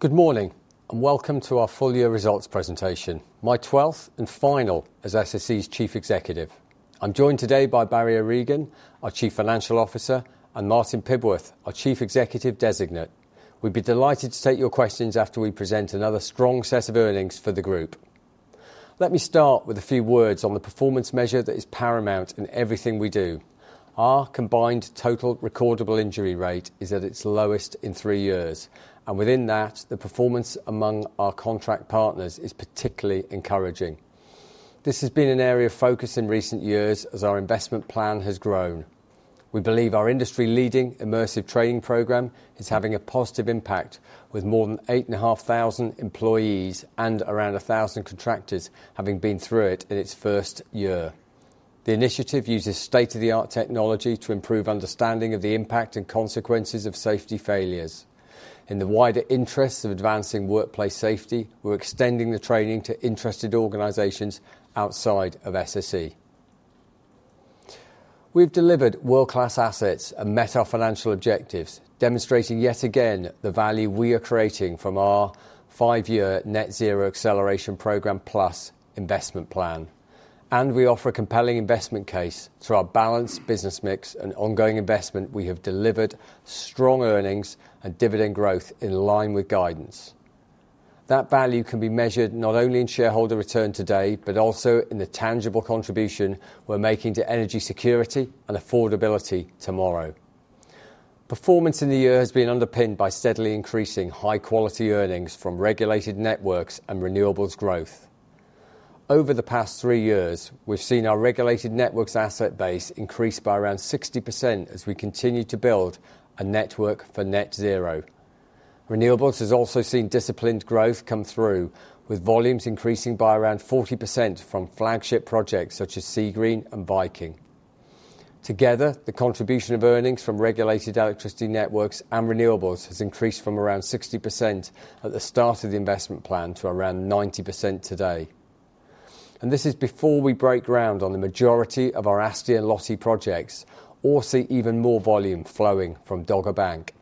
Good morning, and welcome to our full-year results presentation, my twelfth and final as SSE's Chief Executive. I'm joined today by Barry O'Regan, our Chief Financial Officer, and Martin Pibworth, our Chief Executive Designate. We'd be delighted to take your questions after we present another strong set of earnings for the group. Let me start with a few words on the performance measure that is paramount in everything we do. Our combined total recordable injury rate is at its lowest in three years, and within that, the performance among our contract partners is particularly encouraging. This has been an area of focus in recent years as our investment plan has grown. We believe our industry-leading immersive training program is having a positive impact, with more than 8,500 employees and around 1,000 contractors having been through it in its first year. The initiative uses state-of-the-art technology to improve understanding of the impact and consequences of safety failures. In the wider interests of advancing workplace safety, we're extending the training to interested organisations outside of SSE. We've delivered world-class assets and met our financial objectives, demonstrating yet again the value we are creating from our five-year Net Zero Acceleration Programme plus investment plan. We offer a compelling investment case through our balanced business mix and ongoing investment. We have delivered strong earnings and dividend growth in line with guidance. That value can be measured not only in shareholder return today, but also in the tangible contribution we're making to energy security and affordability tomorrow. Performance in the year has been underpinned by steadily increasing high-quality earnings from regulated networks and renewables growth. Over the past three years, we've seen our regulated networks asset base increase by around 60% as we continue to build a network for net zero. Renewables has also seen disciplined growth come through, with volumes increasing by around 40% from flagship projects such as Seagreen and Viking. Together, the contribution of earnings from regulated electricity networks and renewables has increased from around 60% at the start of the investment plan to around 90% today. This is before we break ground on the majority of our ASTE and LOTTI projects, or see even more volume flowing from Dogger Bank.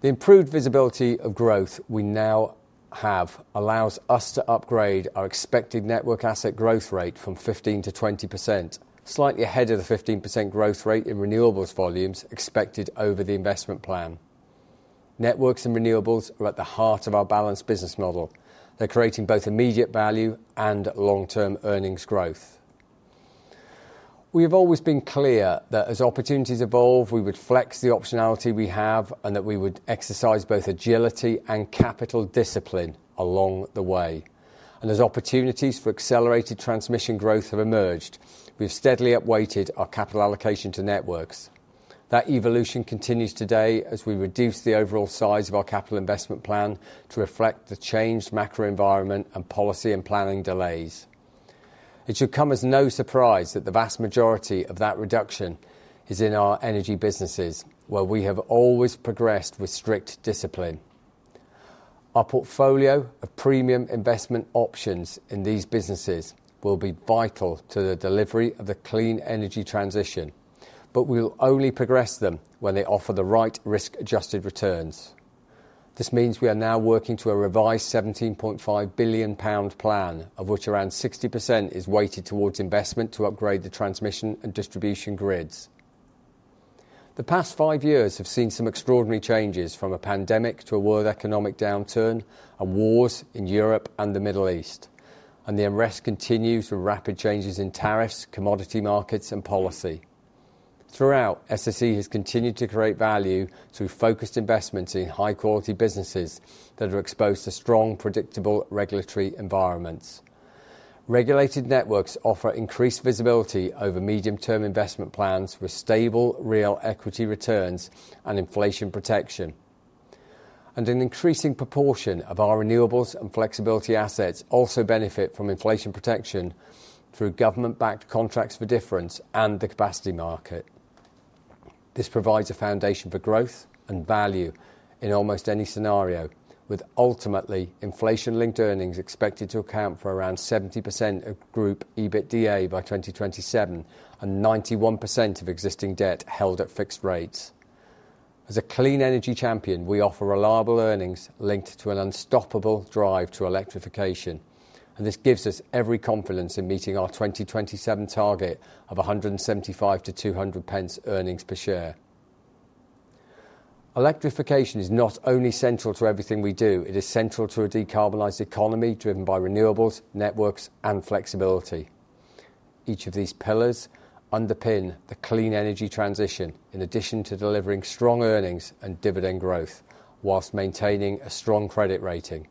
The improved visibility of growth we now have allows us to upgrade our expected network asset growth rate from 15%-20%, slightly ahead of the 15% growth rate in renewables volumes expected over the investment plan. Networks and renewables are at the heart of our balanced business model. They're creating both immediate value and long-term earnings growth. We have always been clear that as opportunities evolve, we would flex the optionality we have, and that we would exercise both agility and capital discipline along the way. As opportunities for accelerated transmission growth have emerged, we've steadily upweighted our capital allocation to networks. That evolution continues today as we reduce the overall size of our capital investment plan to reflect the changed macro environment and policy and planning delays. It should come as no surprise that the vast majority of that reduction is in our energy businesses, where we have always progressed with strict discipline. Our portfolio of premium investment options in these businesses will be vital to the delivery of the clean energy transition, but we will only progress them when they offer the right risk-adjusted returns. This means we are now working to a revised 17.5 billion pound plan, of which around 60% is weighted towards investment to upgrade the transmission and distribution grids. The past five years have seen some extraordinary changes, from a pandemic to a world economic downturn and wars in Europe and the Middle East, and the unrest continues with rapid changes in tariffs, commodity markets, and policy. Throughout, SSE has continued to create value through focused investments in high-quality businesses that are exposed to strong, predictable regulatory environments. Regulated networks offer increased visibility over medium-term investment plans with stable, real equity returns and inflation protection. An increasing proportion of our renewables and flexibility assets also benefit from inflation protection through government-backed contracts for difference and the capacity market. This provides a foundation for growth and value in almost any scenario, with ultimately inflation-linked earnings expected to account for around 70% of Group EBITDA by 2027 and 91% of existing debt held at fixed rates. As a clean energy champion, we offer reliable earnings linked to an unstoppable drive to electrification, and this gives us every confidence in meeting our 2027 target of 175-200 pence earnings per share. Electrification is not only central to everything we do; it is central to a decarbonized economy driven by renewables, networks, and flexibility. Each of these pillars underpins the clean energy transition, in addition to delivering strong earnings and dividend growth, whilst maintaining a strong credit rating.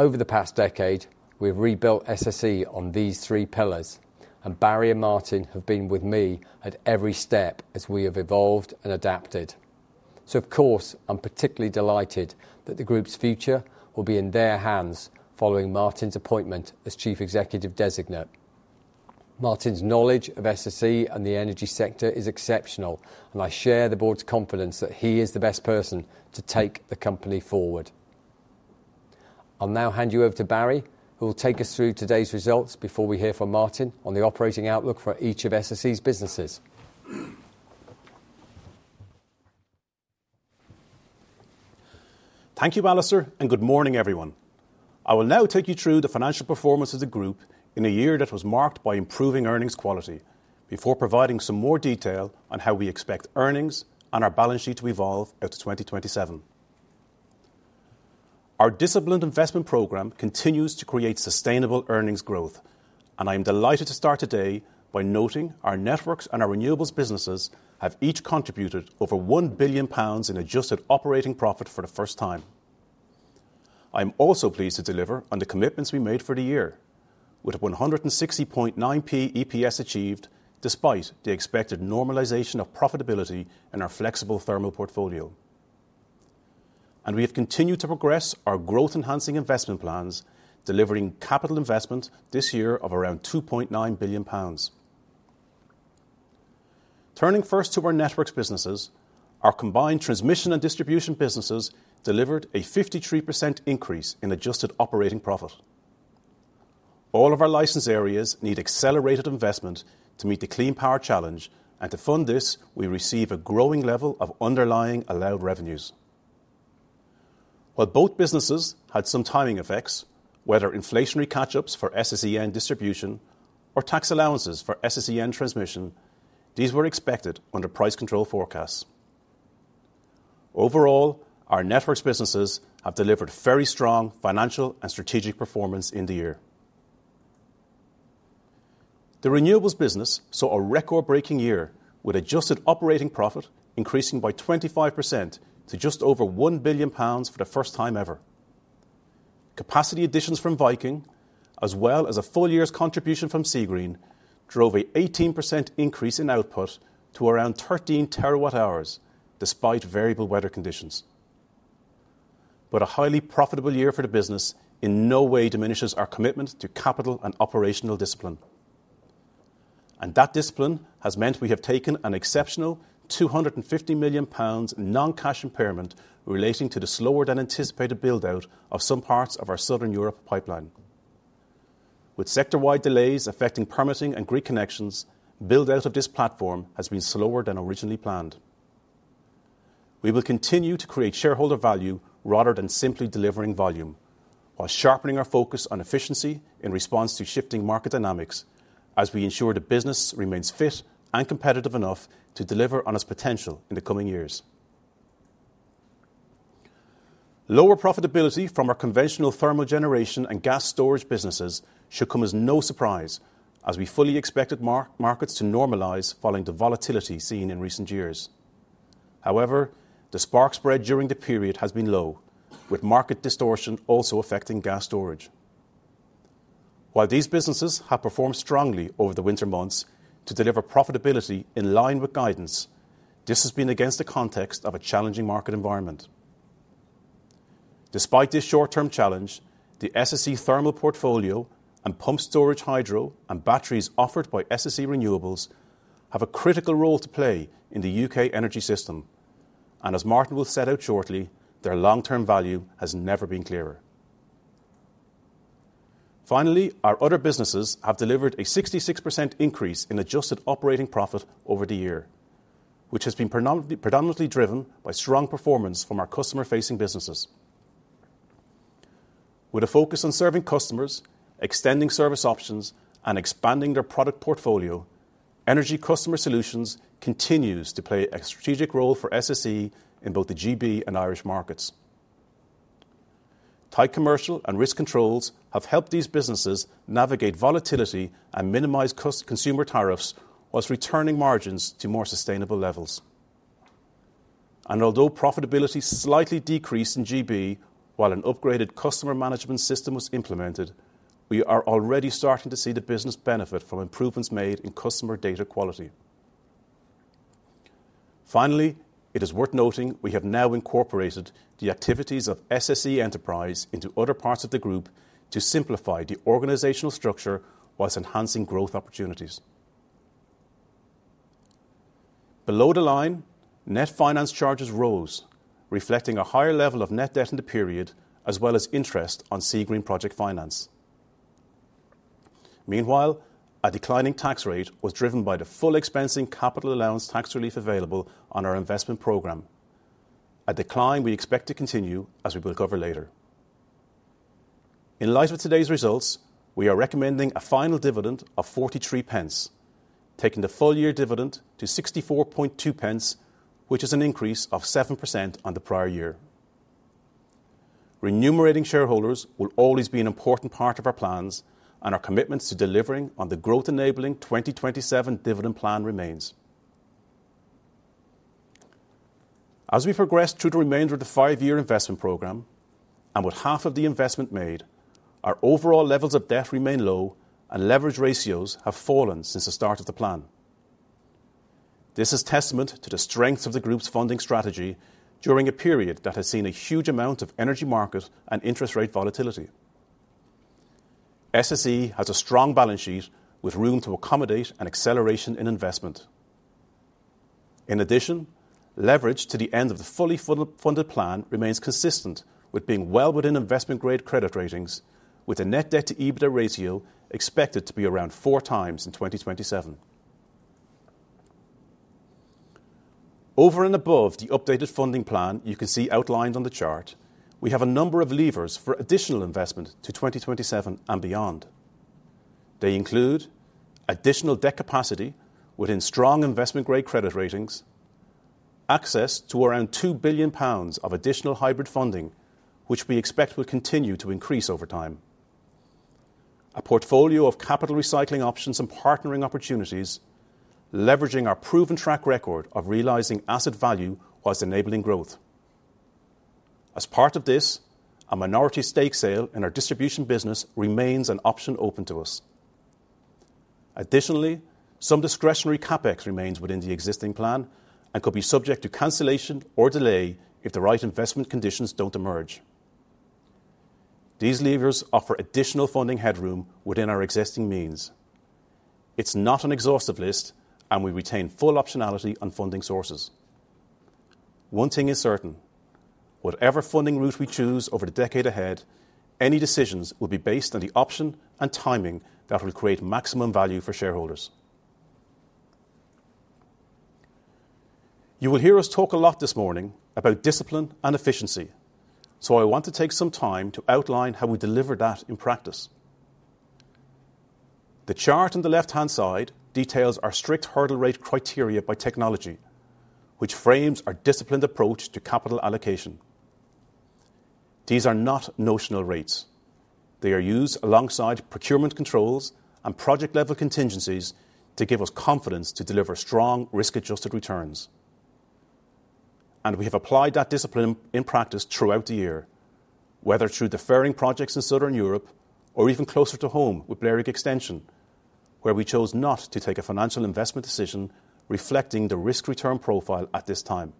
Over the past decade, we've rebuilt SSE on these three pillars, and Barry and Martin have been with me at every step as we have evolved and adapted. Of course, I'm particularly delighted that the group's future will be in their hands following Martin's appointment as Chief Executive Designate. Martin's knowledge of SSE and the energy sector is exceptional, and I share the board's confidence that he is the best person to take the company forward. I'll now hand you over to Barry, who will take us through today's results before we hear from Martin on the operating outlook for each of SSE's businesses. Thank you, Alastair, and good morning, everyone. I will now take you through the financial performance of the group in a year that was marked by improving earnings quality, before providing some more detail on how we expect earnings and our balance sheet to evolve into 2027. Our disciplined investment program continues to create sustainable earnings growth, and I am delighted to start today by noting our networks and our renewables businesses have each contributed over 1 billion pounds in adjusted operating profit for the first time. I am also pleased to deliver on the commitments we made for the year, with 160.9p EPS achieved despite the expected normalisation of profitability in our flexible thermal portfolio. We have continued to progress our growth-enhancing investment plans, delivering capital investment this year of around 2.9 billion pounds. Turning first to our networks businesses, our combined transmission and distribution businesses delivered a 53% increase in adjusted operating profit. All of our licensed areas need accelerated investment to meet the clean power challenge, and to fund this, we receive a growing level of underlying allowed revenues. While both businesses had some timing effects, whether inflationary catch-ups for SSEN distribution or tax allowances for SSEN transmission, these were expected under price control forecasts. Overall, our networks businesses have delivered very strong financial and strategic performance in the year. The renewables business saw a record-breaking year with adjusted operating profit increasing by 25% to just over 1 billion pounds for the first time ever. Capacity additions from Viking, as well as a full year's contribution from Seagreen, drove an 18% increase in output to around 13 terawatt hours despite variable weather conditions. A highly profitable year for the business in no way diminishes our commitment to capital and operational discipline. That discipline has meant we have taken an exceptional 250 million pounds non-cash impairment relating to the slower-than-anticipated build-out of some parts of our Southern Europe pipeline. With sector-wide delays affecting permitting and grid connections, build-out of this platform has been slower than originally planned. We will continue to create shareholder value rather than simply delivering volume, while sharpening our focus on efficiency in response to shifting market dynamics as we ensure the business remains fit and competitive enough to deliver on its potential in the coming years. Lower profitability from our conventional thermal generation and gas storage businesses should come as no surprise as we fully expected markets to normalize following the volatility seen in recent years. However, the spark spread during the period has been low, with market distortion also affecting gas storage. While these businesses have performed strongly over the winter months to deliver profitability in line with guidance, this has been against the context of a challenging market environment. Despite this short-term challenge, the SSE Thermal portfolio and pumped storage hydro and batteries offered by SSE Renewables have a critical role to play in the U.K. energy system, and as Martin will set out shortly, their long-term value has never been clearer. Finally, our other businesses have delivered a 66% increase in adjusted operating profit over the year, which has been predominantly driven by strong performance from our customer-facing businesses. With a focus on serving customers, extending service options, and expanding their product portfolio, energy customer solutions continues to play a strategic role for SSE in both the G.B. and Irish markets. Tight commercial and risk controls have helped these businesses navigate volatility and minimize consumer tariffs whilst returning margins to more sustainable levels. Although profitability slightly decreased in GB while an upgraded customer management system was implemented, we are already starting to see the business benefit from improvements made in customer data quality. Finally, it is worth noting we have now incorporated the activities of SSE Enterprise into other parts of the group to simplify the organizational structure whilst enhancing growth opportunities. Below the line, net finance charges rose, reflecting a higher level of net debt in the period, as well as interest on Seagreen project finance. Meanwhile, a declining tax rate was driven by the full expensing capital allowance tax relief available on our investment program, a decline we expect to continue as we will cover later. In light of today's results, we are recommending a final dividend of 0.43, taking the full year dividend to 0.642, which is an increase of 7% on the prior year. Renumerating shareholders will always be an important part of our plans, and our commitments to delivering on the growth-enabling 2027 dividend plan remains. As we progress through the remainder of the five-year investment program, and with half of the investment made, our overall levels of debt remain low, and leverage ratios have fallen since the start of the plan. This is testament to the strength of the group's funding strategy during a period that has seen a huge amount of energy market and interest rate volatility. SSE has a strong balance sheet with room to accommodate an acceleration in investment. In addition, leverage to the end of the fully funded plan remains consistent with being well within investment-grade credit ratings, with a net debt-to-EBITDA ratio expected to be around 4 times in 2027. Over and above the updated funding plan you can see outlined on the chart, we have a number of levers for additional investment to 2027 and beyond. They include additional debt capacity within strong investment-grade credit ratings, access to 2 billion pounds of additional hybrid funding, which we expect will continue to increase over time, a portfolio of capital recycling options and partnering opportunities, leveraging our proven track record of realising asset value whilst enabling growth. As part of this, a minority stake sale in our distribution business remains an option open to us. Additionally, some discretionary CapEx remains within the existing plan and could be subject to cancellation or delay if the right investment conditions do not emerge. These levers offer additional funding headroom within our existing means. It is not an exhaustive list, and we retain full optionality on funding sources. One thing is certain: whatever funding route we choose over the decade ahead, any decisions will be based on the option and timing that will create maximum value for shareholders. You will hear us talk a lot this morning about discipline and efficiency, so I want to take some time to outline how we deliver that in practice. The chart on the left-hand side details our strict hurdle rate criteria by technology, which frames our disciplined approach to capital allocation. These are not notional rates; they are used alongside procurement controls and project-level contingencies to give us confidence to deliver strong, risk-adjusted returns. We have applied that discipline in practice throughout the year, whether through deferring projects in Southern Europe or even closer to home with Berwick Extension, where we chose not to take a financial investment decision reflecting the risk-return profile at this time.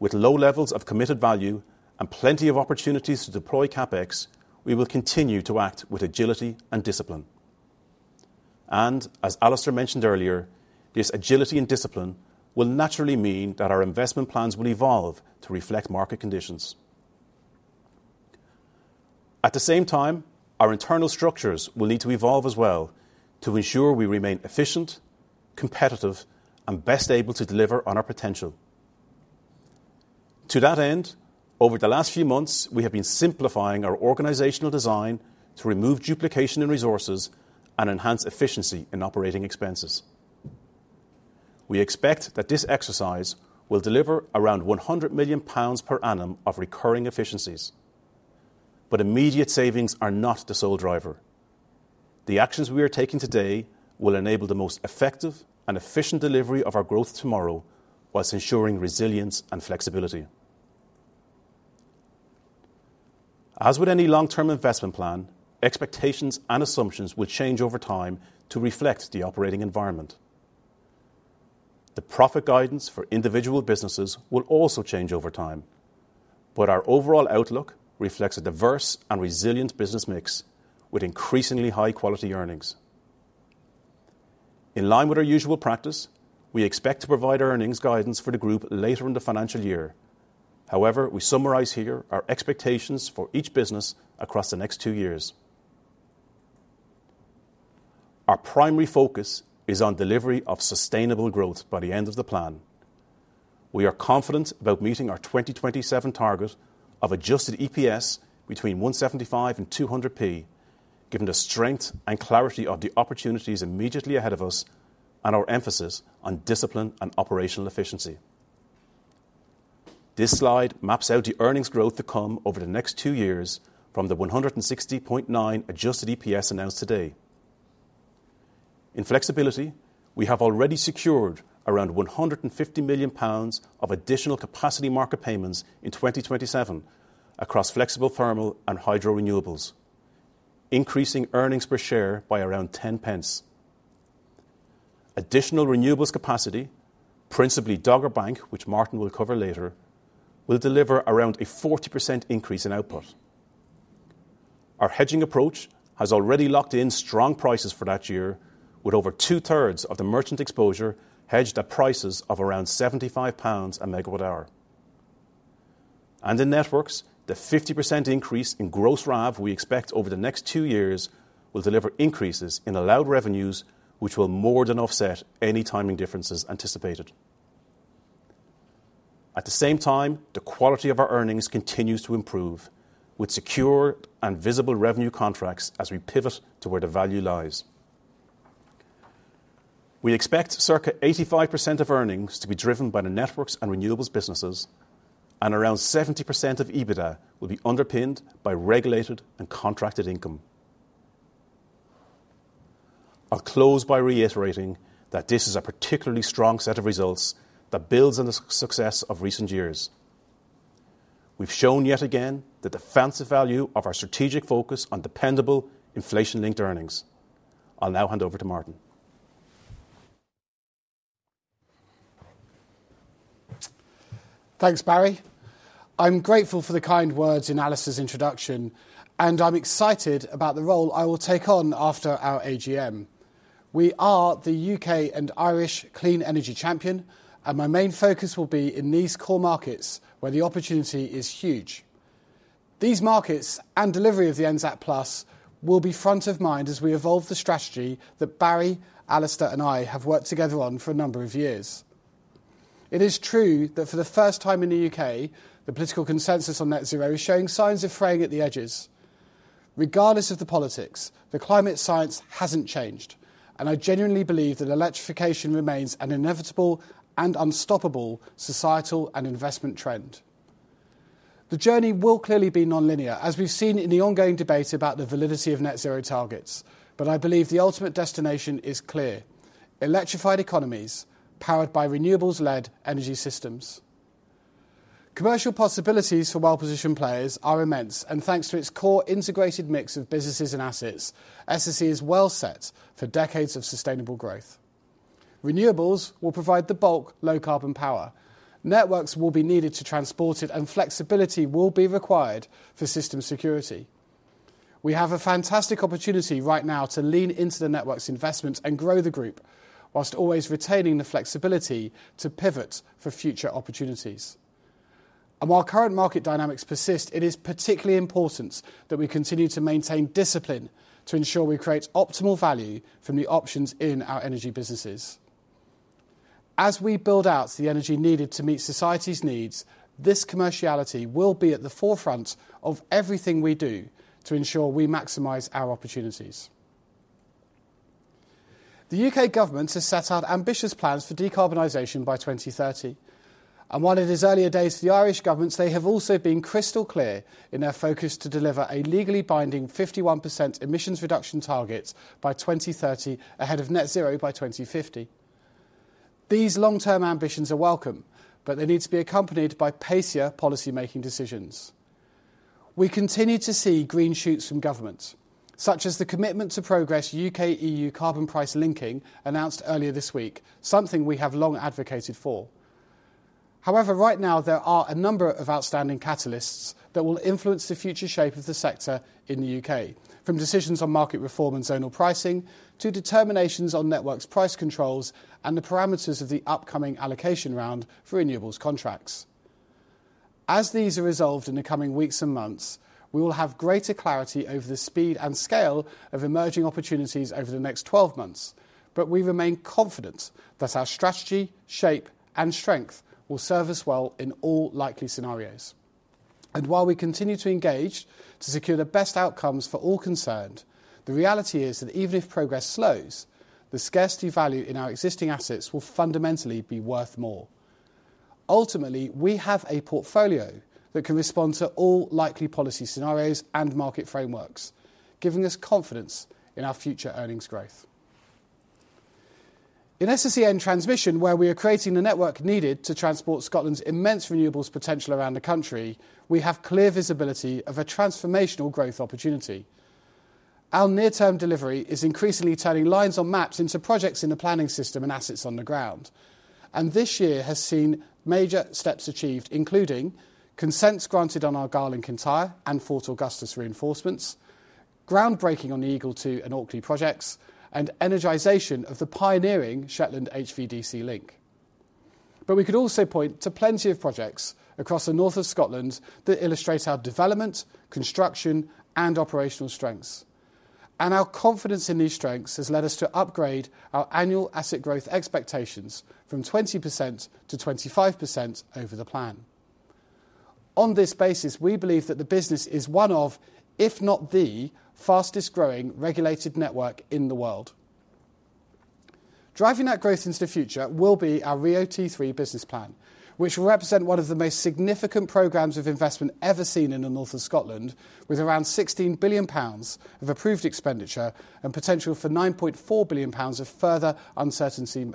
With low levels of committed value and plenty of opportunities to deploy CapEx, we will continue to act with agility and discipline. As Alastair mentioned earlier, this agility and discipline will naturally mean that our investment plans will evolve to reflect market conditions. At the same time, our internal structures will need to evolve as well to ensure we remain efficient, competitive, and best able to deliver on our potential. To that end, over the last few months, we have been simplifying our organisational design to remove duplication in resources and enhance efficiency in operating expenses. We expect that this exercise will deliver around 100 million pounds per annum of recurring efficiencies. Immediate savings are not the sole driver. The actions we are taking today will enable the most effective and efficient delivery of our growth tomorrow whilst ensuring resilience and flexibility. As with any long-term investment plan, expectations and assumptions will change over time to reflect the operating environment. The profit guidance for individual businesses will also change over time, but our overall outlook reflects a diverse and resilient business mix with increasingly high-quality earnings. In line with our usual practice, we expect to provide earnings guidance for the group later in the financial year. However, we summarise here our expectations for each business across the next two years. Our primary focus is on delivery of sustainable growth by the end of the plan. We are confident about meeting our 2027 target of adjusted EPS between 175-200p, given the strength and clarity of the opportunities immediately ahead of us and our emphasis on discipline and operational efficiency. This slide maps out the earnings growth to come over the next two years from the 160.9p adjusted EPS announced today. In flexibility, we have already secured around 150 million pounds of additional capacity market payments in 2027 across flexible thermal and hydro renewables, increasing earnings per share by around 0.10. Additional renewables capacity, principally Dogger Bank, which Martin will cover later, will deliver around a 40% increase in output. Our hedging approach has already locked in strong prices for that year, with over two-thirds of the merchant exposure hedged at prices of around 75 pounds a megawatt hour. In networks, the 50% increase in gross RAV we expect over the next two years will deliver increases in allowed revenues, which will more than offset any timing differences anticipated. At the same time, the quality of our earnings continues to improve, with secure and visible revenue contracts as we pivot to where the value lies. We expect circa 85% of earnings to be driven by the networks and renewables businesses, and around 70% of EBITDA will be underpinned by regulated and contracted income. I'll close by reiterating that this is a particularly strong set of results that builds on the success of recent years. We've shown yet again the defensive value of our strategic focus on dependable inflation-linked earnings. I'll now hand over to Martin. Thanks, Barry. I'm grateful for the kind words in Alastair's introduction, and I'm excited about the role I will take on after our AGM. We are the U.K. and Irish Clean Energy Champion, and my main focus will be in these core markets where the opportunity is huge. These markets and delivery of the NZAC Plus will be front of mind as we evolve the strategy that Barry, Alastair, and I have worked together on for a number of years. It is true that for the first time in the U.K., the political consensus on net zero is showing signs of fraying at the edges. Regardless of the politics, the climate science has not changed, and I genuinely believe that electrification remains an inevitable and unstoppable societal and investment trend. The journey will clearly be non-linear, as we've seen in the ongoing debate about the validity of net zero targets, but I believe the ultimate destination is clear: electrified economies powered by renewables-led energy systems. Commercial possibilities for well-positioned players are immense, and thanks to its core integrated mix of businesses and assets, SSE is well set for decades of sustainable growth. Renewables will provide the bulk low-carbon power. Networks will be needed to transport it, and flexibility will be required for system security. We have a fantastic opportunity right now to lean into the networks investments and grow the group whilst always retaining the flexibility to pivot for future opportunities. While current market dynamics persist, it is particularly important that we continue to maintain discipline to ensure we create optimal value from the options in our energy businesses. As we build out the energy needed to meet society's needs, this commerciality will be at the forefront of everything we do to ensure we maximize our opportunities. The U.K. government has set out ambitious plans for decarbonization by 2030, and while it is earlier days for the Irish governments, they have also been crystal clear in their focus to deliver a legally binding 51% emissions reduction target by 2030 ahead of net zero by 2050. These long-term ambitions are welcome, but they need to be accompanied by pacer policy-making decisions. We continue to see green shoots from governments, such as the commitment to progress U.K.-EU carbon price linking announced earlier this week, something we have long advocated for. However, right now, there are a number of outstanding catalysts that will influence the future shape of the sector in the U.K., from decisions on market reform and zonal pricing to determinations on networks price controls and the parameters of the upcoming allocation round for renewables contracts. As these are resolved in the coming weeks and months, we will have greater clarity over the speed and scale of emerging opportunities over the next 12 months. We remain confident that our strategy, shape, and strength will serve us well in all likely scenarios. While we continue to engage to secure the best outcomes for all concerned, the reality is that even if progress slows, the scarcity value in our existing assets will fundamentally be worth more. Ultimately, we have a portfolio that can respond to all likely policy scenarios and market frameworks, giving us confidence in our future earnings growth. In SSEN transmission, where we are creating the network needed to transport Scotland's immense renewables potential around the country, we have clear visibility of a transformational growth opportunity. Our near-term delivery is increasingly turning lines on maps into projects in the planning system and assets on the ground, and this year has seen major steps achieved, including consents granted on our Garland Kintyre and Fort Augustus reinforcements, groundbreaking on the Eagle Two and Awkley projects, and energisation of the pioneering Shetland HVDC link. We could also point to plenty of projects across the north of Scotland that illustrate our development, construction, and operational strengths. Our confidence in these strengths has led us to upgrade our annual asset growth expectations from 20%-25% over the plan. On this basis, we believe that the business is one of, if not the, fastest-growing regulated network in the world. Driving that growth into the future will be our REOT3 business plan, which will represent one of the most significant programs of investment ever seen in the north of Scotland, with around 16 billion pounds of approved expenditure and potential for 9.4 billion pounds of further uncertainty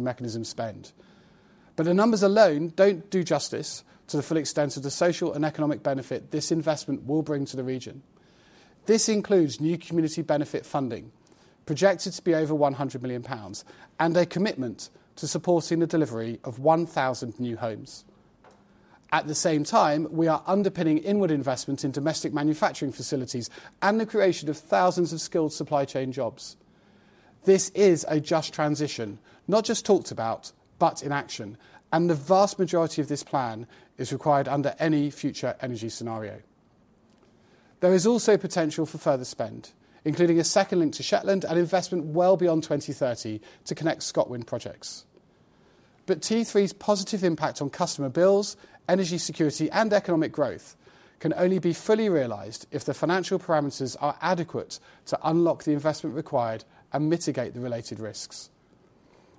mechanism spend. The numbers alone do not do justice to the full extent of the social and economic benefit this investment will bring to the region. This includes new community benefit funding, projected to be over 100 million pounds, and a commitment to supporting the delivery of 1,000 new homes. At the same time, we are underpinning inward investments in domestic manufacturing facilities and the creation of thousands of skilled supply chain jobs. This is a just transition, not just talked about, but in action, and the vast majority of this plan is required under any future energy scenario. There is also potential for further spend, including a second link to Shetland and investment well beyond 2030 to connect Scotland projects. T3's positive impact on customer bills, energy security, and economic growth can only be fully realized if the financial parameters are adequate to unlock the investment required and mitigate the related risks.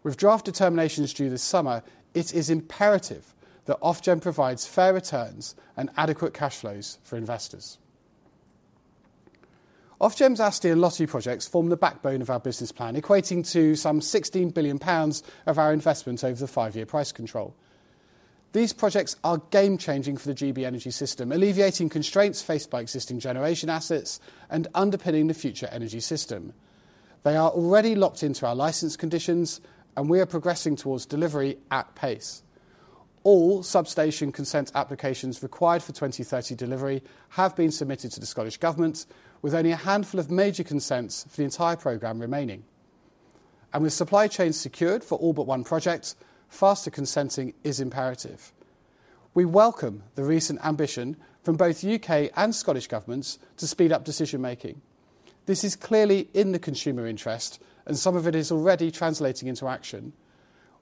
With draft determinations due this summer, it is imperative that Ofgem provides fair returns and adequate cash flows for investors. Ofgem's ASTE and LOTTEY projects form the backbone of our business plan, equating to some 16 billion pounds of our investment over the five-year price control. These projects are game-changing for the GB energy system, alleviating constraints faced by existing generation assets and underpinning the future energy system. They are already locked into our licence conditions, and we are progressing towards delivery at pace. All substation consent applications required for 2030 delivery have been submitted to the Scottish Government, with only a handful of major consents for the entire programme remaining. With supply chains secured for all but one project, faster consenting is imperative. We welcome the recent ambition from both U.K. and Scottish governments to speed up decision-making. This is clearly in the consumer interest, and some of it is already translating into action.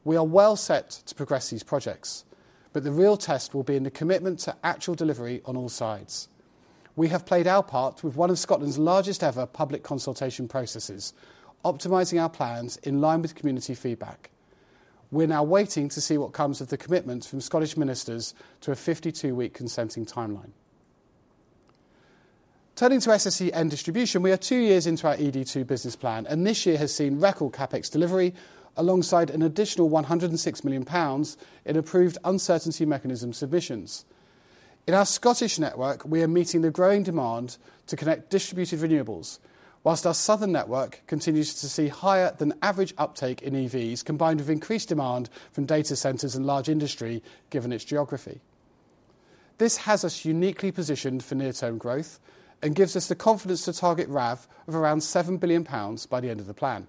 We are well set to progress these projects, but the real test will be in the commitment to actual delivery on all sides. We have played our part with one of Scotland's largest ever public consultation processes, optimizing our plans in line with community feedback. We're now waiting to see what comes of the commitment from Scottish ministers to a 52-week consenting timeline. Turning to SSEN distribution, we are two years into our ED2 business plan, and this year has seen record CapEx delivery alongside an additional 106 million pounds in approved uncertainty mechanism submissions. In our Scottish network, we are meeting the growing demand to connect distributed renewables, whilst our southern network continues to see higher than average uptake in EVs, combined with increased demand from data centers and large industry, given its geography. This has us uniquely positioned for near-term growth and gives us the confidence to target RAV of around 7 billion pounds by the end of the plan.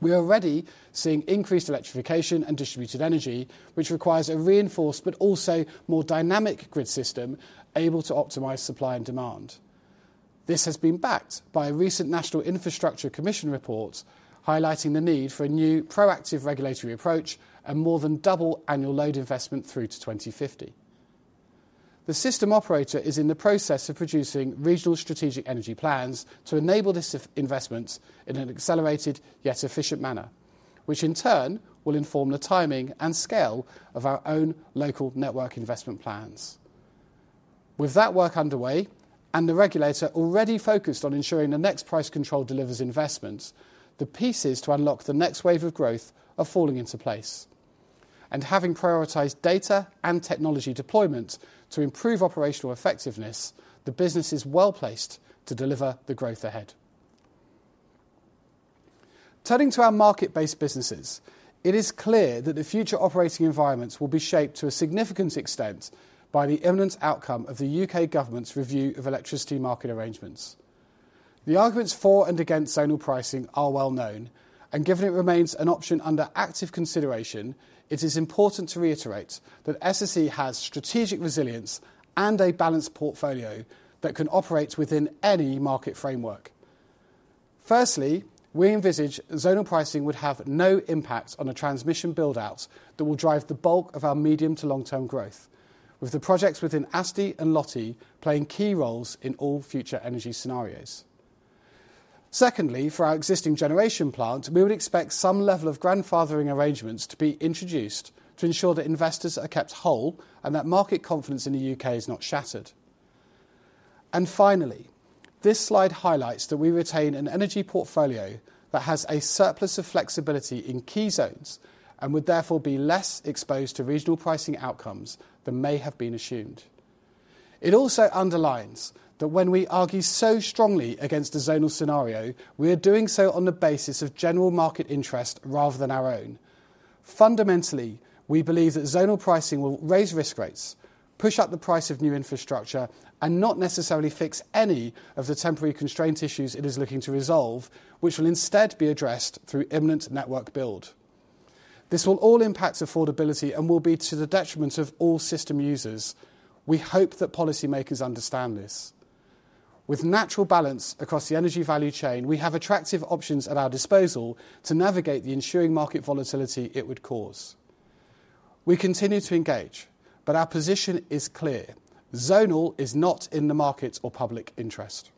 We are already seeing increased electrification and distributed energy, which requires a reinforced but also more dynamic grid system able to optimize supply and demand. This has been backed by a recent National Infrastructure Commission report highlighting the need for a new proactive regulatory approach and more than double annual load investment through to 2050. The system operator is in the process of producing regional strategic energy plans to enable this investment in an accelerated yet efficient manner, which in turn will inform the timing and scale of our own local network investment plans. With that work underway and the regulator already focused on ensuring the next price control delivers investments, the pieces to unlock the next wave of growth are falling into place. Having prioritized data and technology deployment to improve operational effectiveness, the business is well placed to deliver the growth ahead. Turning to our market-based businesses, it is clear that the future operating environments will be shaped to a significant extent by the imminent outcome of the U.K. government's review of electricity market arrangements. The arguments for and against zonal pricing are well known, and given it remains an option under active consideration, it is important to reiterate that SSE has strategic resilience and a balanced portfolio that can operate within any market framework. Firstly, we envisage zonal pricing would have no impact on a transmission build-out that will drive the bulk of our medium to long-term growth, with the projects within ASTE and LOTTEY playing key roles in all future energy scenarios. Secondly, for our existing generation plant, we would expect some level of grandfathering arrangements to be introduced to ensure that investors are kept whole and that market confidence in the U.K. is not shattered. Finally, this slide highlights that we retain an energy portfolio that has a surplus of flexibility in key zones and would therefore be less exposed to regional pricing outcomes than may have been assumed. It also underlines that when we argue so strongly against a zonal scenario, we are doing so on the basis of general market interest rather than our own. Fundamentally, we believe that zonal pricing will raise risk rates, push up the price of new infrastructure, and not necessarily fix any of the temporary constraint issues it is looking to resolve, which will instead be addressed through imminent network build. This will all impact affordability and will be to the detriment of all system users. We hope that policymakers understand this. With natural balance across the energy value chain, we have attractive options at our disposal to navigate the ensuring market volatility it would cause. We continue to engage, but our position is clear: zonal is not in the market or public interest.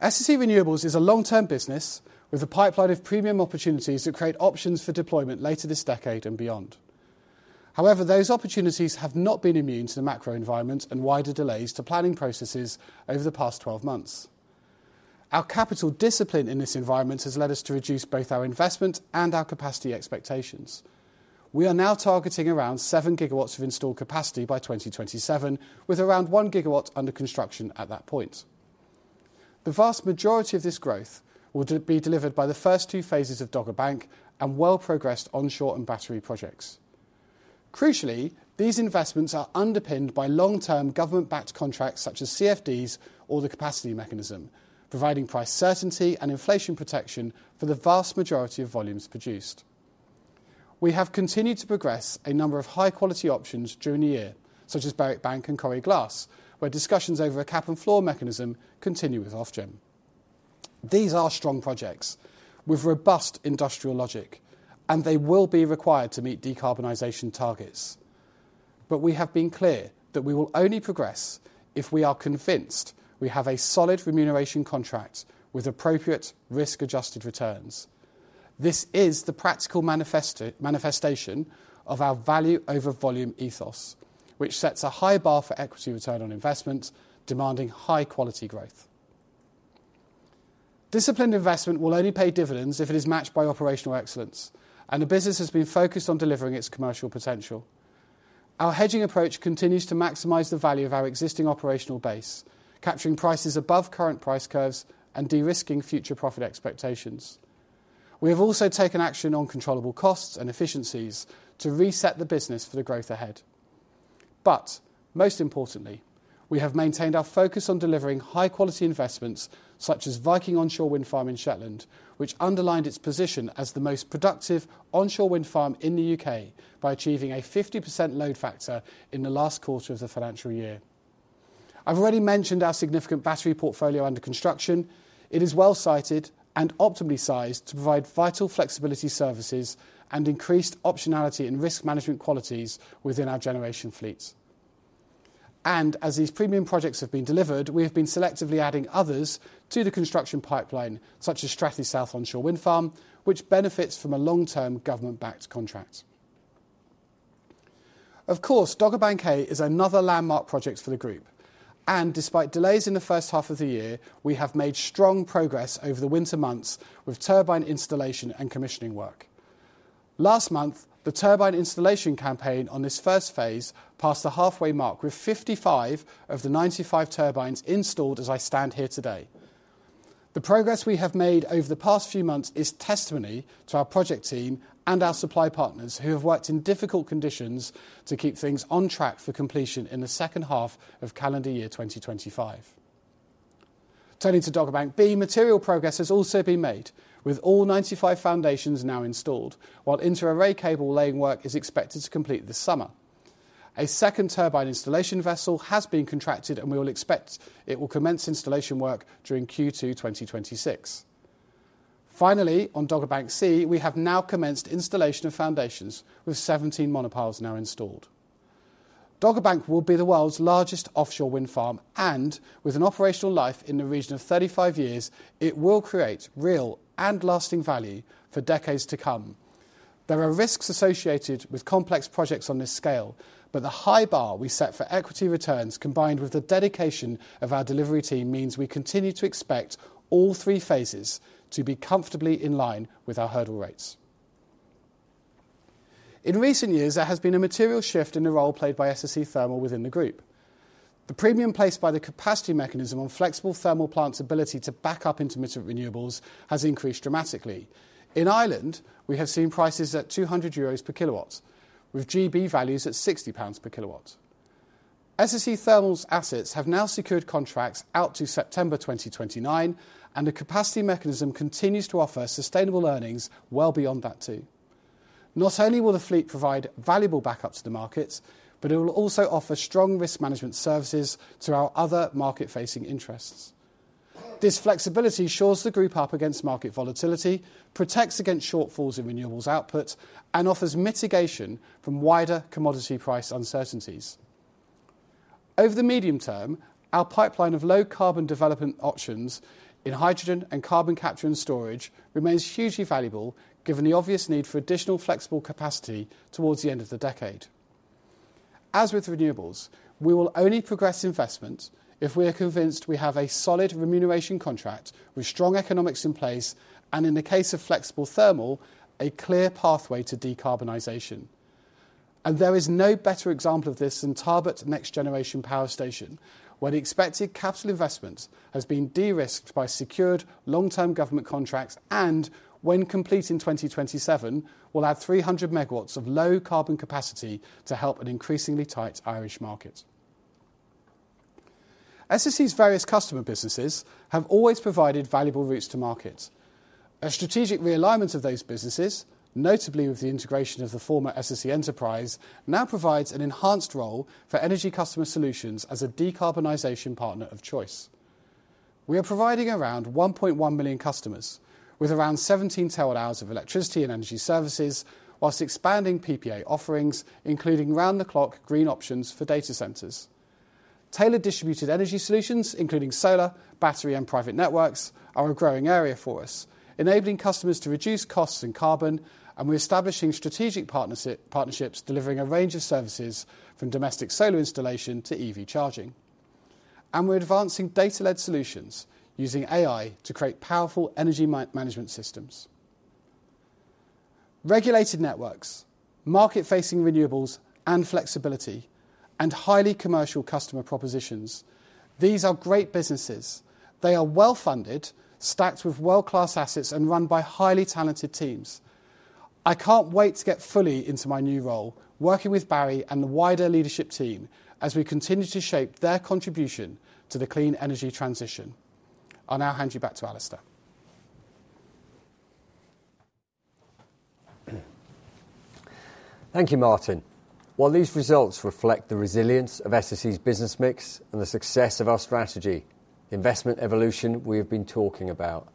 SSE Renewables is a long-term business with a pipeline of premium opportunities that create options for deployment later this decade and beyond. However, those opportunities have not been immune to the macro environment and wider delays to planning processes over the past 12 months. Our capital discipline in this environment has led us to reduce both our investment and our capacity expectations. We are now targeting around 7 gigawatts of installed capacity by 2027, with around 1 gigawatt under construction at that point. The vast majority of this growth will be delivered by the first two phases of Dogger Bank and well-progressed onshore and battery projects. Crucially, these investments are underpinned by long-term government-backed contracts such as CFDs or the Capacity Market, providing price certainty and inflation protection for the vast majority of volumes produced. We have continued to progress a number of high-quality options during the year, such as Berwick Bank and Corrie Glass, where discussions over a Cap and Floor mechanism continue with Ofgem. These are strong projects with robust industrial logic, and they will be required to meet decarbonization targets. We have been clear that we will only progress if we are convinced we have a solid remuneration contract with appropriate risk-adjusted returns. This is the practical manifestation of our value over volume ethos, which sets a high bar for equity return on investment, demanding high-quality growth. Disciplined investment will only pay dividends if it is matched by operational excellence, and the business has been focused on delivering its commercial potential. Our hedging approach continues to maximize the value of our existing operational base, capturing prices above current price curves and de-risking future profit expectations. We have also taken action on controllable costs and efficiencies to reset the business for the growth ahead. Most importantly, we have maintained our focus on delivering high-quality investments such as Viking Onshore Wind Farm in Shetland, which underlined its position as the most productive onshore wind farm in the U.K. by achieving a 50% load factor in the last quarter of the financial year. I've already mentioned our significant battery portfolio under construction. It is well-sited and optimally sized to provide vital flexibility services and increased optionality and risk management qualities within our generation fleets. As these premium projects have been delivered, we have been selectively adding others to the construction pipeline, such as Strathys South Onshore Wind Farm, which benefits from a long-term government-backed contract. Of course, Dogger Bank A is another landmark project for the group. Despite delays in the first half of the year, we have made strong progress over the winter months with turbine installation and commissioning work. Last month, the turbine installation campaign on this first phase passed the halfway mark with 55 of the 95 turbines installed as I stand here today. The progress we have made over the past few months is testimony to our project team and our supply partners who have worked in difficult conditions to keep things on track for completion in the second half of calendar year 2025. Turning to Dogger Bank B, material progress has also been made, with all 95 foundations now installed, while inter-array cable laying work is expected to complete this summer. A second turbine installation vessel has been contracted, and we will expect it will commence installation work during Q2 2026. Finally, on Dogger Bank C, we have now commenced installation of foundations, with 17 monopiles now installed. Dogger Bank will be the world's largest offshore wind farm, and with an operational life in the region of 35 years, it will create real and lasting value for decades to come. There are risks associated with complex projects on this scale, but the high bar we set for equity returns, combined with the dedication of our delivery team, means we continue to expect all three phases to be comfortably in line with our hurdle rates. In recent years, there has been a material shift in the role played by SSE Thermal within the group. The premium placed by the capacity mechanism on flexible thermal plants' ability to back up intermittent renewables has increased dramatically. In Ireland, we have seen prices at 200 euros per kilowatt, with 60 pounds per kilowatt values in GB. SSE Thermal's assets have now secured contracts out to September 2029, and the capacity mechanism continues to offer sustainable earnings well beyond that too. Not only will the fleet provide valuable backup to the markets, but it will also offer strong risk management services to our other market-facing interests. This flexibility shores the group up against market volatility, protects against shortfalls in renewables output, and offers mitigation from wider commodity price uncertainties. Over the medium term, our pipeline of low-carbon development options in hydrogen and carbon capture and storage remains hugely valuable, given the obvious need for additional flexible capacity towards the end of the decade. As with renewables, we will only progress investment if we are convinced we have a solid remuneration contract with strong economics in place and, in the case of flexible thermal, a clear pathway to decarbonisation. There is no better example of this than Tarbert Next Generation Power Station, where the expected capital investment has been de-risked by secured long-term government contracts and, when complete in 2027, will add 300 megawatts of low-carbon capacity to help an increasingly tight Irish market. SSE's various customer businesses have always provided valuable routes to market. A strategic realignment of those businesses, notably with the integration of the former SSE Enterprise, now provides an enhanced role for energy customer solutions as a decarbonization partner of choice. We are providing around 1.1 million customers with around 17 terawatt-hours of electricity and energy services, whilst expanding PPA offerings, including round-the-clock green options for data centers. Tailored distributed energy solutions, including solar, battery, and private networks, are a growing area for us, enabling customers to reduce costs and carbon, and we are establishing strategic partnerships delivering a range of services from domestic solar installation to EV charging. We are advancing data-led solutions using AI to create powerful energy management systems. Regulated networks, market-facing renewables and flexibility, and highly commercial customer propositions—these are great businesses. They are well-funded, stacked with world-class assets, and run by highly talented teams. I can't wait to get fully into my new role, working with Barry and the wider leadership team as we continue to shape their contribution to the clean energy transition. I'll now hand you back to Alastair. Thank you, Martin. While these results reflect the resilience of SSE's business mix and the success of our strategy, investment evolution we have been talking about,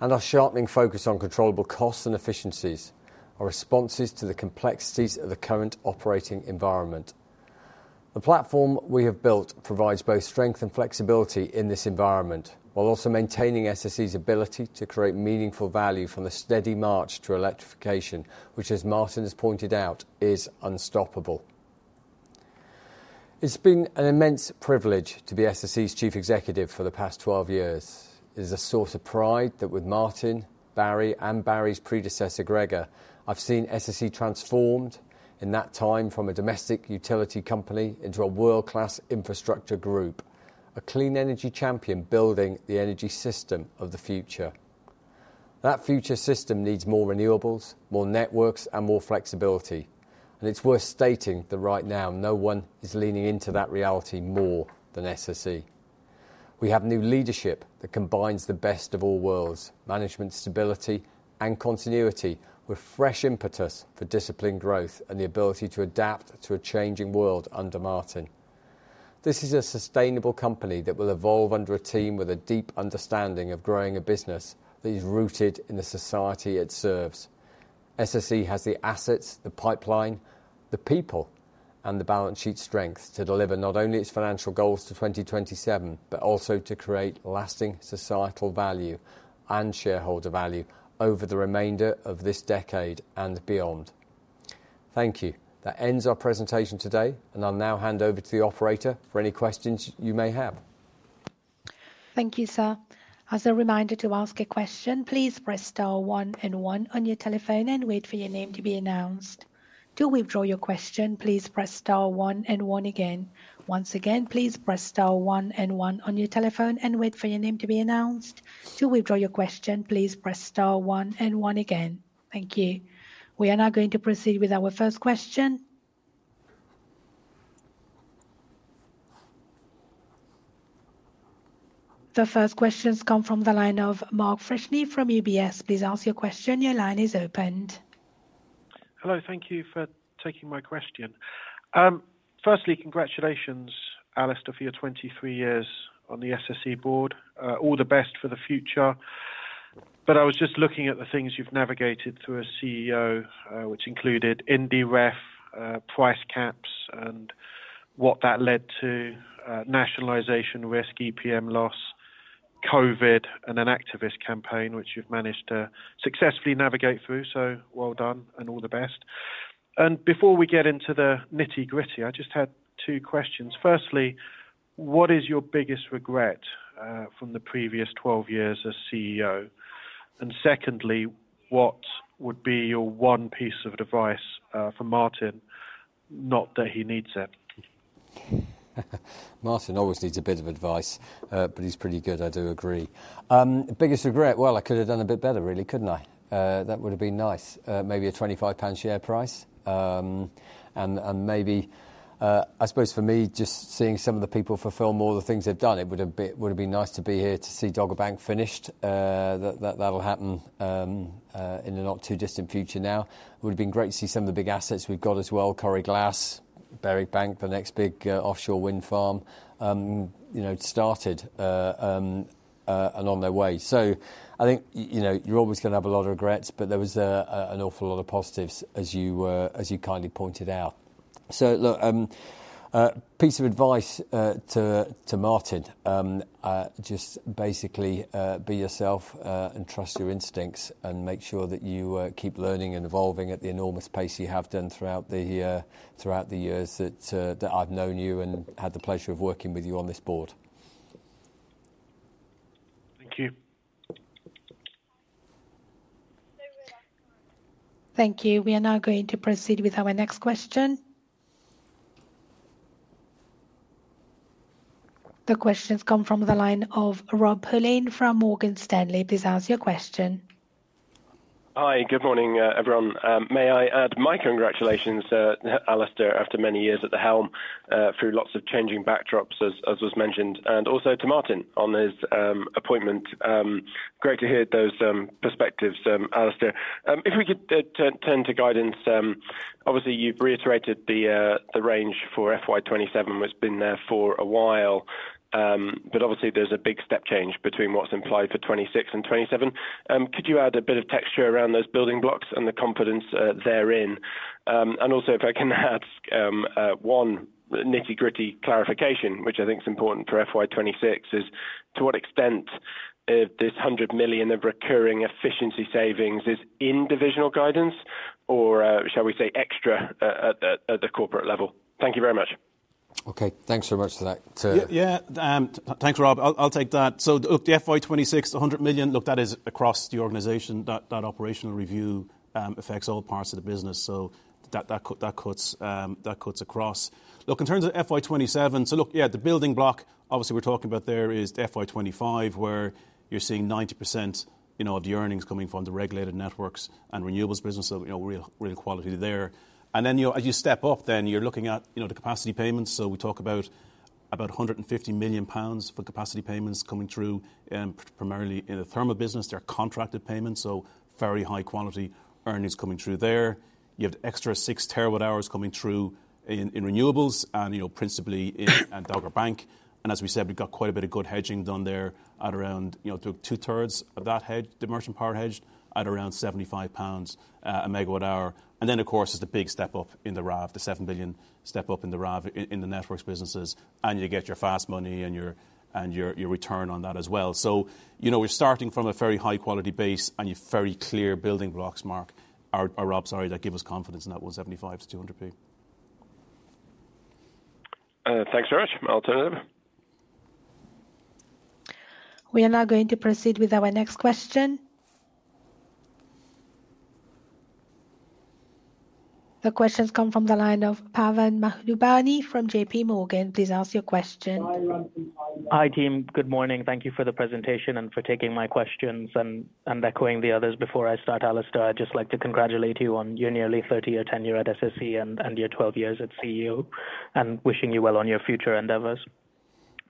and our sharpening focus on controllable costs and efficiencies, our responses to the complexities of the current operating environment. The platform we have built provides both strength and flexibility in this environment, while also maintaining SSE's ability to create meaningful value from the steady march to electrification, which, as Martin has pointed out, is unstoppable. It's been an immense privilege to be SSE's Chief Executive for the past 12 years. It is a source of pride that with Martin, Barry, and Barry's predecessor, Gregor, I've seen SSE transformed in that time from a domestic utility company into a world-class infrastructure group, a clean energy champion building the energy system of the future. That future system needs more renewables, more networks, and more flexibility. It is worth stating that right now, no one is leaning into that reality more than SSE. We have new leadership that combines the best of all worlds: management stability and continuity, with fresh impetus for disciplined growth and the ability to adapt to a changing world under Martin. This is a sustainable company that will evolve under a team with a deep understanding of growing a business that is rooted in the society it serves. SSE has the assets, the pipeline, the people, and the balance sheet strength to deliver not only its financial goals to 2027, but also to create lasting societal value and shareholder value over the remainder of this decade and beyond. Thank you. That ends our presentation today, and I'll now hand over to the operator for any questions you may have. Thank you, sir. As a reminder to ask a question, please press star one and one on your telephone and wait for your name to be announced. To withdraw your question, please press star one and one again. Once again, please press star one and one on your telephone and wait for your name to be announced. To withdraw your question, please press star one and one again. Thank you. We are now going to proceed with our first question. The first questions come from the line of Mark Freshney from UBS. Please ask your question. Your line is opened. Hello. Thank you for taking my question. Firstly, congratulations, Alastair, for your 23 years on the SSE board. All the best for the future. I was just looking at the things you've navigated through as CEO, which included Indie Ref, price caps, and what that led to: nationalisation risk, EPM loss, COVID, and an activist campaign, which you've managed to successfully navigate through. So well done and all the best. Before we get into the nitty-gritty, I just had two questions. Firstly, what is your biggest regret from the previous 12 years as CEO? Secondly, what would be your one piece of advice for Martin, not that he needs it? Martin always needs a bit of advice, but he's pretty good, I do agree. Biggest regret? I could have done a bit better, really, couldn't I? That would have been nice. Maybe a 25 pound share price. And maybe, I suppose for me, just seeing some of the people fulfill more of the things they've done, it would have been nice to be here to see Dogger Bank finished. That will happen in the not too distant future now. It would have been great to see some of the big assets we've got as well: Corrie Glass, Berwick Bank, the next big offshore wind farm started and on their way. I think you're always going to have a lot of regrets, but there was an awful lot of positives, as you kindly pointed out. Look, piece of advice to Martin: just basically be yourself and trust your instincts and make sure that you keep learning and evolving at the enormous pace you have done throughout the years that I've known you and had the pleasure of working with you on this board. Thank you. We are now going to proceed with our next question. The questions come from the line of Rob Hilleen from Morgan Stanley. Please ask your question. Hi, good morning, everyone. May I add my congratulations to Alastair after many years at the helm through lots of changing backdrops, as was mentioned, and also to Martin on his appointment. Great to hear those perspectives, Alastair. If we could turn to guidance, obviously you've reiterated the range for FY2027, which has been there for a while, but obviously there's a big step change between what's implied for 2026 and 2027. Could you add a bit of texture around those building blocks and the confidence therein? Also, if I can add one nitty-gritty clarification, which I think is important for FY2026, is to what extent this 100 million of recurring efficiency savings is in divisional guidance, or shall we say extra at the corporate level? Thank you very much. Okay, thanks very much for that. Yeah, thanks, Rob. I'll take that. Look, the FY2026, the 100 million, that is across the organization. That operational review affects all parts of the business. That cuts across. Look, in terms of FY2027, yeah, the building block, obviously we're talking about there is FY2025, where you're seeing 90% of the earnings coming from the regulated networks and renewables business, so real quality there. As you step up, then you're looking at the capacity payments. We talk about 150 million pounds for capacity payments coming through, primarily in the thermal business. They're contracted payments, so very high quality earnings coming through there. You have extra six terawatt-hours coming through in renewables and principally in Dogger Bank. As we said, we've got quite a bit of good hedging done there at around two-thirds of that hedge, the merchant power hedge, at around 75 pounds a megawatt-hour. Of course, there is the big step up in the RAV, the 7 million step up in the RAV in the networks businesses, and you get your fast money and your return on that as well. We are starting from a very high-quality base and your very clear building blocks, Mark, or Rob, sorry, that give us confidence in that 175-200p. Thanks very much, Alastair. We are now going to proceed with our next question. The questions come from the line of Pavan Mahbubani from JPMorgan. Please ask your question. Hi, team. Good morning. Thank you for the presentation and for taking my questions and echoing the others. Before I start, Alastair, I would just like to congratulate you on your nearly 30-year tenure at SSE and your 12 years as CEO, and wishing you well on your future endeavors.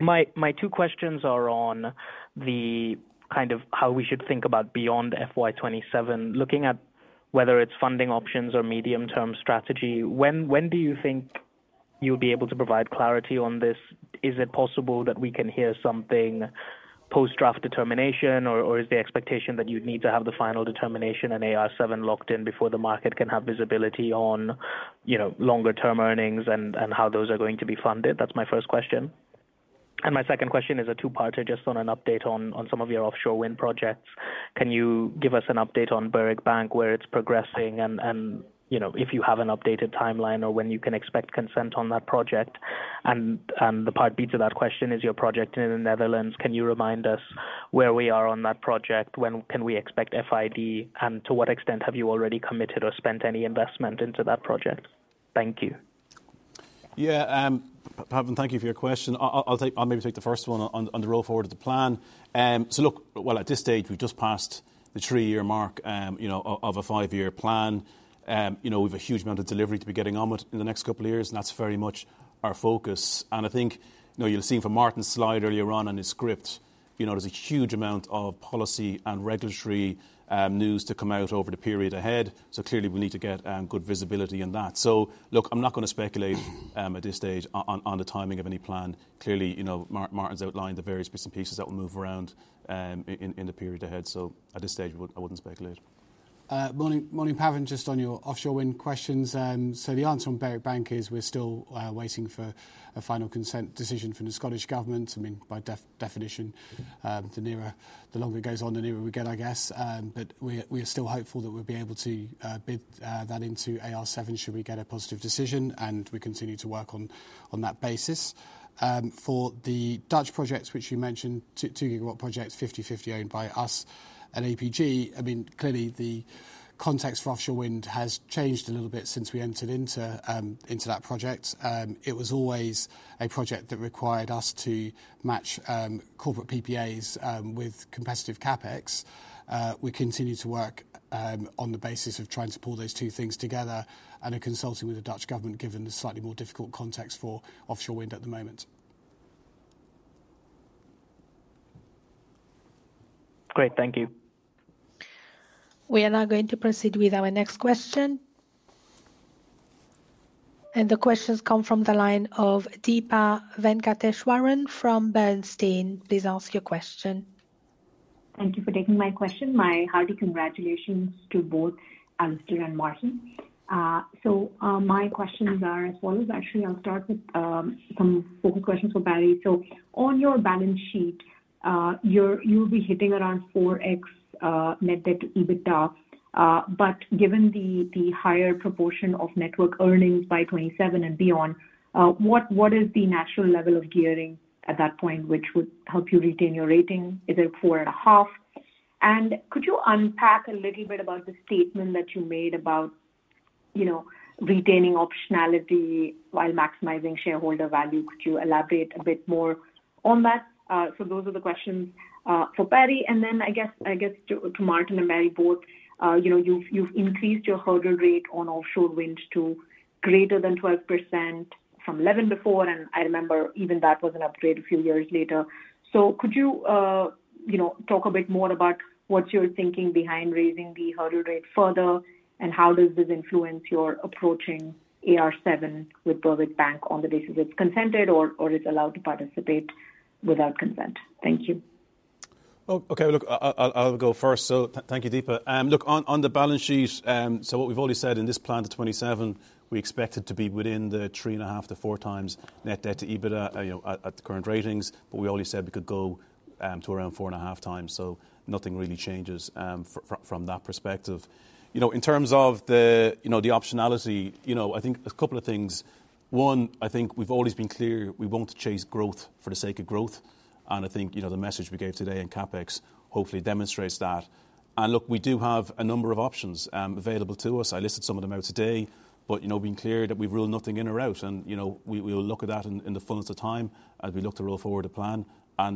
My two questions are on the kind of how we should think about beyond FY27, looking at whether it's funding options or medium-term strategy. When do you think you'll be able to provide clarity on this? Is it possible that we can hear something post-draft determination, or is the expectation that you'd need to have the final determination and AR7 locked in before the market can have visibility on longer-term earnings and how those are going to be funded? That's my first question. My second question is a two-parter, just on an update on some of your offshore wind projects. Can you give us an update on Berwick Bank, where it's progressing, and if you have an updated timeline or when you can expect consent on that project? The part B to that question is your project in the Netherlands. Can you remind us where we are on that project? When can we expect FID, and to what extent have you already committed or spent any investment into that project? Thank you. Yeah, Pavan, thank you for your question. I'll maybe take the first one and roll forward the plan. Look, at this stage, we've just passed the three-year mark of a five-year plan. We have a huge amount of delivery to be getting on with in the next couple of years, and that's very much our focus. I think you'll have seen from Martin's slide earlier on in his script, there's a huge amount of policy and regulatory news to come out over the period ahead. Clearly, we need to get good visibility on that. I'm not going to speculate at this stage on the timing of any plan. Clearly, Martin's outlined the various bits and pieces that will move around in the period ahead. At this stage, I wouldn't speculate. Morning, Pavan, just on your offshore wind questions. The answer on Berwick Bank is we're still waiting for a final consent decision from the Scottish government. I mean, by definition, the longer it goes on, the nearer we get, I guess. We are still hopeful that we'll be able to bid that into AR7 should we get a positive decision, and we continue to work on that basis. For the Dutch projects, which you mentioned, two-gigawatt projects, 50-50 owned by us and APG. Clearly, the context for offshore wind has changed a little bit since we entered into that project. It was always a project that required us to match corporate PPAs with competitive CapEx. We continue to work on the basis of trying to pull those two things together and are consulting with the Dutch government, given the slightly more difficult context for offshore wind at the moment. Great, thank you. We are now going to proceed with our next question. The questions come from the line of Deepa Venkateswaran from Bernstein. Please ask your question. Thank you for taking my question. My hearty congratulations to both Alastair and Martin. My questions are as follows. Actually, I'll start with some focal questions for Barry. On your balance sheet, you'll be hitting around 4x net debt to EBITDA. Given the higher proportion of network earnings by 2027 and beyond, what is the natural level of gearing at that point, which would help you retain your rating? Is it 4.5? Could you unpack a little bit about the statement that you made about retaining optionality while maximizing shareholder value? Could you elaborate a bit more on that? Those are the questions for Barry. I guess to Martin and Barry both, you've increased your hurdle rate on offshore winds to greater than 12% from 11% before, and I remember even that was an upgrade a few years later. Could you talk a bit more about what you're thinking behind raising the hurdle rate further, and how does this influence your approaching AR7 with Berwick Bank on the basis it's consented or it's allowed to participate without consent? Thank you. Okay, look, I'll go first. Thank you, Deepa. Look, on the balance sheet, what we've already said in this plan to 2027, we expect it to be within the 3.5-4 times net debt to EBITDA at the current ratings, but we already said we could go to around 4.5 times. Nothing really changes from that perspective. In terms of the optionality, I think a couple of things. One, I think we've always been clear we won't chase growth for the sake of growth. I think the message we gave today in CapEx hopefully demonstrates that. Look, we do have a number of options available to us. I listed some of them out today, but being clear that we rule nothing in or out. We will look at that in the fullness of time as we look to roll forward the plan.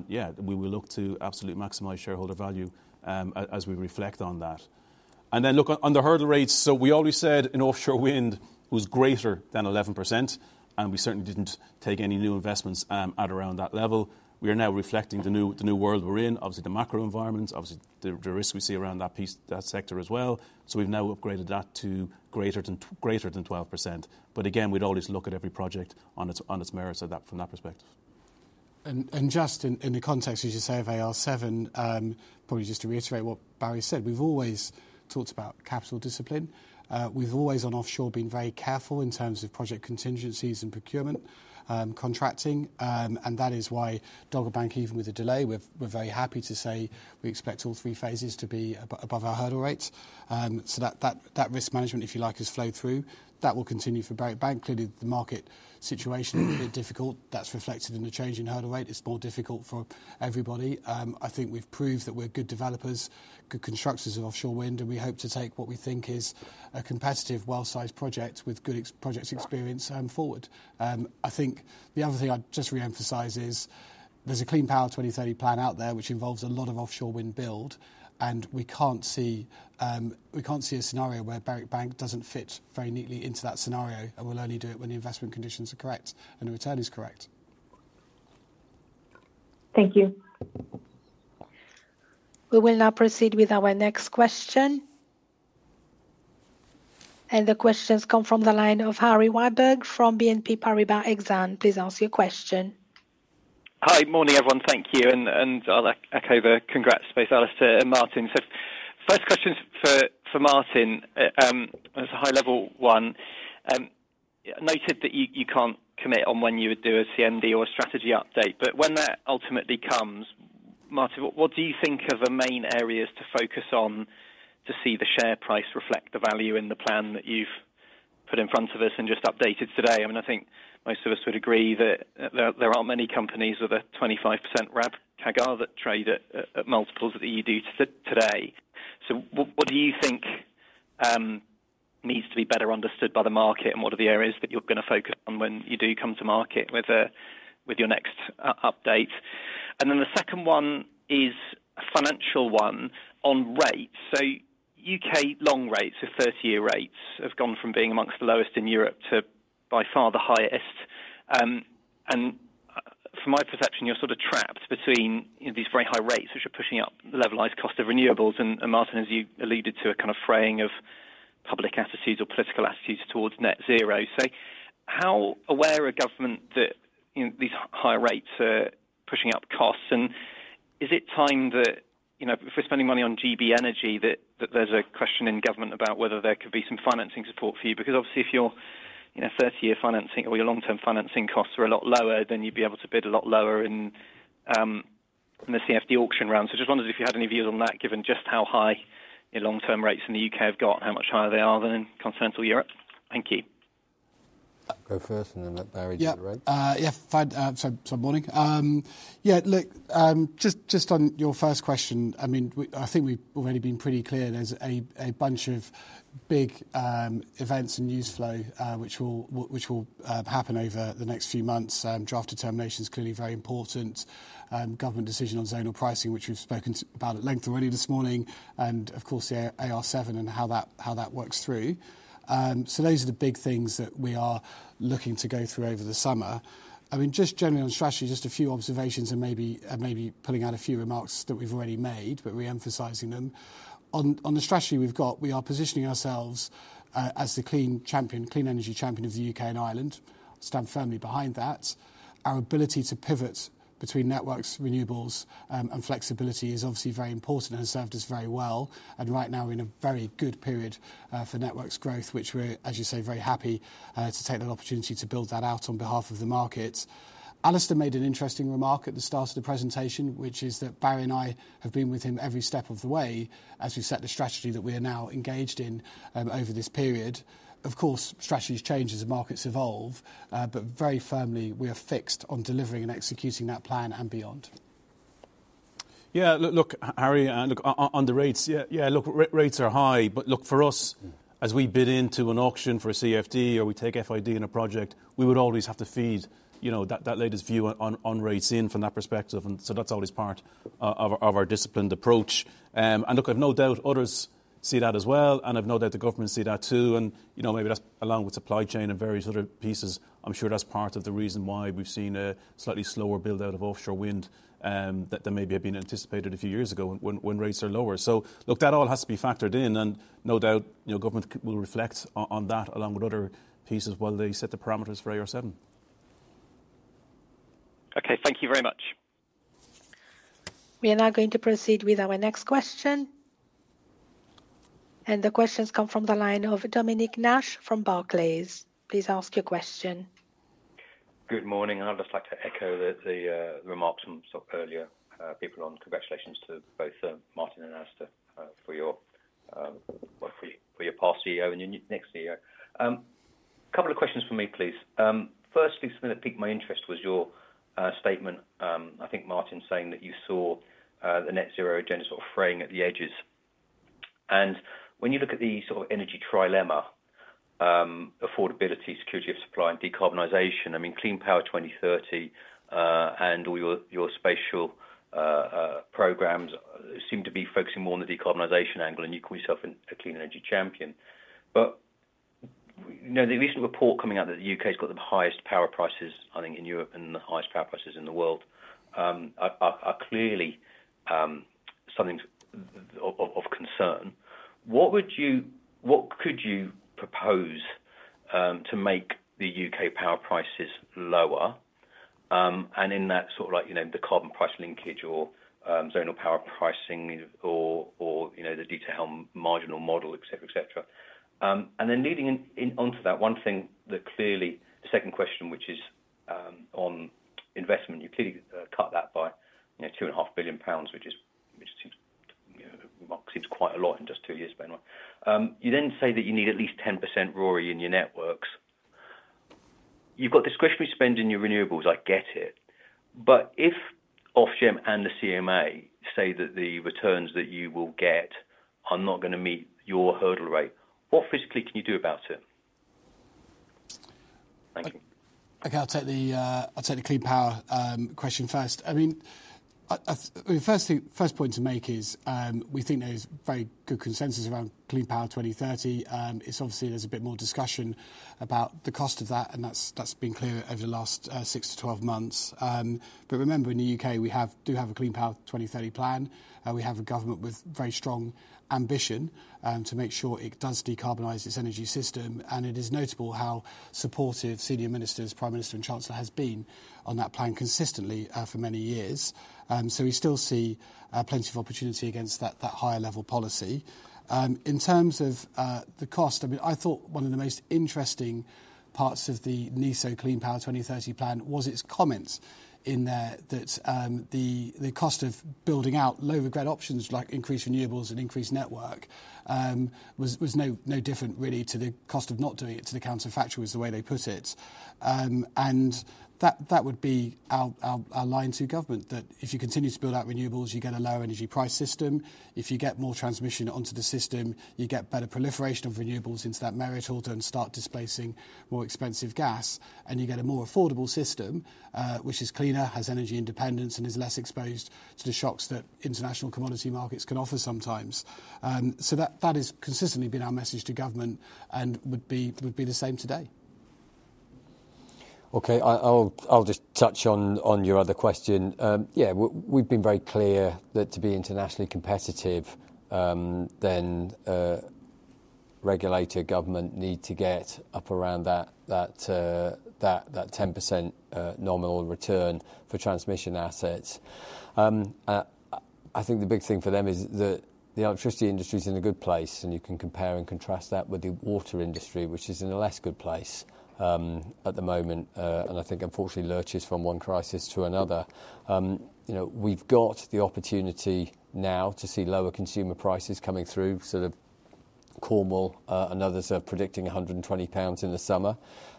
Yeah, we will look to absolutely maximize shareholder value as we reflect on that. On the hurdle rates, we always said in offshore wind it was greater than 11%, and we certainly did not take any new investments at around that level. We are now reflecting the new world we are in, obviously the macro environment, obviously the risks we see around that sector as well. We have now upgraded that to greater than 12%. Again, we would always look at every project on its merits from that perspective. In the context, as you say, of AR7, probably just to reiterate what Barry said, we have always talked about capital discipline. We have always, on offshore, been very careful in terms of project contingencies and procurement contracting. That is why Dogger Bank, even with a delay, we're very happy to say we expect all three phases to be above our hurdle rates. That risk management, if you like, has flowed through. That will continue for Berwick Bank, clearly the market situation is a bit difficult. That is reflected in the changing hurdle rate. It is more difficult for everybody. I think we've proved that we're good developers, good constructors of offshore wind, and we hope to take what we think is a competitive, well-sized project with good project experience forward. I think the other thing I'd just re-emphasize is there's a Clean Power 2030 plan out there which involves a lot of offshore wind build, and we can't see a scenario where Berwick Bank doesn't fit very neatly into that scenario and will only do it when the investment conditions are correct and the return is correct. Thank you. We will now proceed with our next question. The questions come from the line of Harry Wyburd from BNP Paribas Exane. Please ask your question. Hi, morning everyone. Thank you. I will echo the congrats, Alistair and Martin. First question for Martin is a high-level one. I noted that you can't commit on when you would do a CMD or a strategy update, but when that ultimately comes, Martin, what do you think are the main areas to focus on to see the share price reflect the value in the plan that you've put in front of us and just updated today? I mean, I think most of us would agree that there aren't many companies with a 25% RAV CAGR that trade at multiples that you do today. What do you think needs to be better understood by the market, and what are the areas that you're going to focus on when you do come to market with your next update? The second one is a financial one on rates. U.K. long rates with 30-year rates have gone from being amongst the lowest in Europe to by far the highest. From my perception, you're sort of trapped between these very high rates, which are pushing up the levelised cost of renewables. Martin, as you alluded to, a kind of fraying of public attitudes or political attitudes towards net zero. How aware are government that these higher rates are pushing up costs? Is it time that if we're spending money on GB Energy, there's a question in government about whether there could be some financing support for you? Because obviously, if your 30-year financing or your long-term financing costs are a lot lower, then you'd be able to bid a lot lower in the CFD auction round. Just wondered if you had any views on that, given just how high your long-term rates in the U.K. have got and how much higher they are than in continental Europe. Thank you. Go first and then let Barry do the rest. Yeah, sorry, morning. Yeah, look, just on your first question, I mean, I think we've already been pretty clear. There's a bunch of big events and news flow which will happen over the next few months. Draft determination is clearly very important. Government decision on zonal pricing, which we've spoken about at length already this morning. Of course, the AR7 and how that works through. Those are the big things that we are looking to go through over the summer. I mean, just generally on strategy, just a few observations and maybe pulling out a few remarks that we have already made, but re-emphasizing them. On the strategy we have got, we are positioning ourselves as the clean energy champion of the U.K. and Ireland, stand firmly behind that. Our ability to pivot between networks, renewables, and flexibility is obviously very important and has served us very well. Right now, we are in a very good period for networks growth, which we are, as you say, very happy to take that opportunity to build that out on behalf of the market. Alastair made an interesting remark at the start of the presentation, which is that Barry and I have been with him every step of the way as we set the strategy that we are now engaged in over this period. Of course, strategies change as the markets evolve, but very firmly, we are fixed on delivering and executing that plan and beyond. Yeah, look, Harry, on the rates, yeah, rates are high, but for us, as we bid into an auction for a CFD or we take FID in a project, we would always have to feed that latest view on rates in from that perspective. That is always part of our disciplined approach. I have no doubt others see that as well, and I have no doubt the government sees that too. Maybe that is along with supply chain and various other pieces. I'm sure that's part of the reason why we've seen a slightly slower build-out of offshore wind that maybe had been anticipated a few years ago when rates are lower. That all has to be factored in, and no doubt government will reflect on that along with other pieces while they set the parameters for AR7. Okay, thank you very much. We are now going to proceed with our next question. The questions come from the line of Dominic Nash from Barclays. Please ask your question. Good morning. I'd just like to echo the remarks from some earlier people on. Congratulations to both Martin and Alastair for your path CEO and your next CEO. A couple of questions for me, please. Firstly, something that piqued my interest was your statement, I think Martin saying that you saw the net zero agenda sort of fraying at the edges. When you look at the sort of energy trilemma, affordability, security of supply, and decarbonization, I mean, Clean Power 2030 and all your spatial programs seem to be focusing more on the decarbonization angle, and you call yourself a clean energy champion. The recent report coming out that the U.K. has got the highest power prices, I think, in Europe and the highest power prices in the world are clearly something of concern. What could you propose to make the U.K. power prices lower? In that, sort of like the carbon price linkage or zonal power pricing or the detailed marginal model, etc., etc. Leading onto that, one thing that clearly, the second question, which is on investment, you clearly cut that by 2.5 billion pounds, which seems quite a lot in just two years by now. You then say that you need at least 10% RORI in your networks. You've got discretionary spend in your renewables. I get it. If Ofgem and the CMA say that the returns that you will get are not going to meet your hurdle rate, what physically can you do about it? Thank you. Okay, I'll take the clean power question first. I mean, the first point to make is we think there's very good consensus around Clean Power 2030. It's obviously there's a bit more discussion about the cost of that, and that's been clear over the last 6-12 months. Remember, in the U.K., we do have a Clean Power 2030 plan. We have a government with very strong ambition to make sure it does decarbonise its energy system. It is notable how supportive senior ministers, Prime Minister, and Chancellor have been on that plan consistently for many years. We still see plenty of opportunity against that higher level policy. In terms of the cost, I mean, I thought one of the most interesting parts of the NISO Clean Power 2030 plan was its comments in there that the cost of building out low regret options like increased renewables and increased network was no different really to the cost of not doing it, to the counterfactual, is the way they put it. That would be our line to government, that if you continue to build out renewables, you get a lower energy price system. If you get more transmission onto the system, you get better proliferation of renewables into that merit order and start displacing more expensive gas, and you get a more affordable system, which is cleaner, has energy independence, and is less exposed to the shocks that international commodity markets can offer sometimes. That has consistently been our message to government and would be the same today. Okay, I'll just touch on your other question. Yeah, we've been very clear that to be internationally competitive, then regulator government need to get up around that 10% nominal return for transmission assets. I think the big thing for them is that the electricity industry is in a good place, and you can compare and contrast that with the water industry, which is in a less good place at the moment. I think unfortunately lurches from one crisis to another. We've got the opportunity now to see lower consumer prices coming through. Sort of Cornwall and others are predicting 120 pounds in the summer.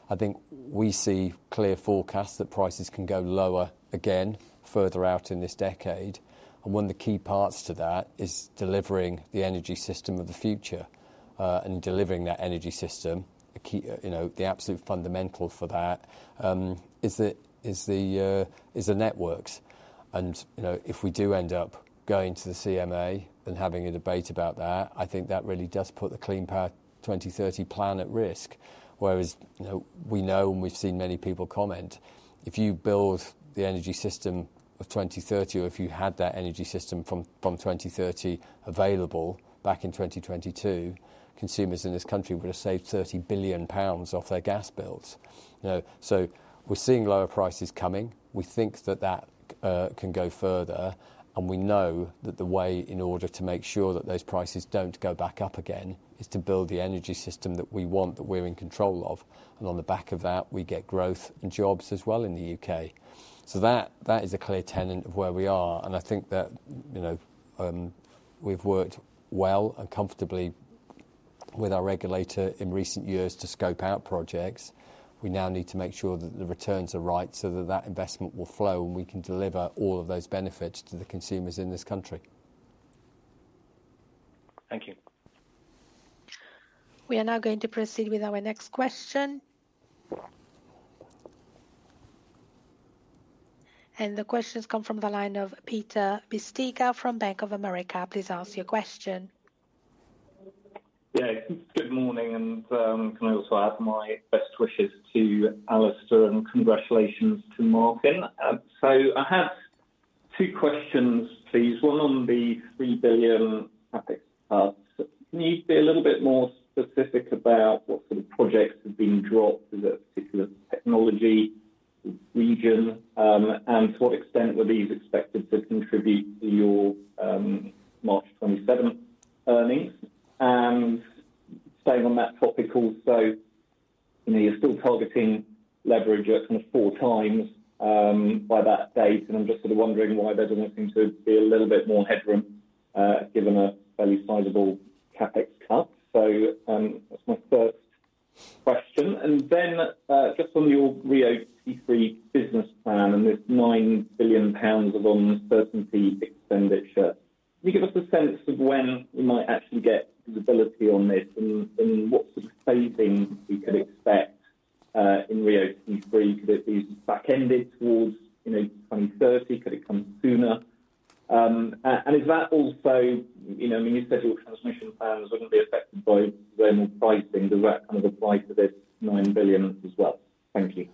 I think we see clear forecasts that prices can go lower again further out in this decade. One of the key parts to that is delivering the energy system of the future. Delivering that energy system, the absolute fundamental for that is the networks. If we do end up going to the CMA and having a debate about that, I think that really does put the Clean Power 2030 plan at risk. We know and we've seen many people comment, if you build the energy system of 2030 or if you had that energy system from 2030 available back in 2022, consumers in this country would have saved 30 billion pounds off their gas bills. We're seeing lower prices coming. We think that can go further. We know that the way in order to make sure that those prices do not go back up again is to build the energy system that we want, that we are in control of. On the back of that, we get growth and jobs as well in the U.K. That is a clear tenet of where we are. I think that we have worked well and comfortably with our regulator in recent years to scope out projects. We now need to make sure that the returns are right so that investment will flow and we can deliver all of those benefits to the consumers in this country. Thank you. We are now going to proceed with our next question. The questions come from the line of Peter Bisztyga from Bank of America. Please ask your question. Yeah, good morning. Can I also add my best wishes to Alastair and congratulations to Martin. I have two questions, please. One on the 3 billion CapEx part. Can you be a little bit more specific about what sort of projects have been dropped in that particular technology region? To what extent were these expected to contribute to your March 2027 earnings? Staying on that topic, you're still targeting leverage at four times by that date. I'm just sort of wondering why there does seem to be a little bit more headroom given a fairly sizable CapEx cut. That's my first question. Then just on your RIIO-T3 business plan and this 9 billion pounds of uncertainty expenditure, can you give us a sense of when we might actually get visibility on this and what sort of savings we could expect in RIIO-T3? Could it be back-ended towards 2030? Could it come sooner? Is that also, I mean, you said your transmission plans would not be affected by renewal pricing. Does that kind of apply to this 9 billion as well? Thank you.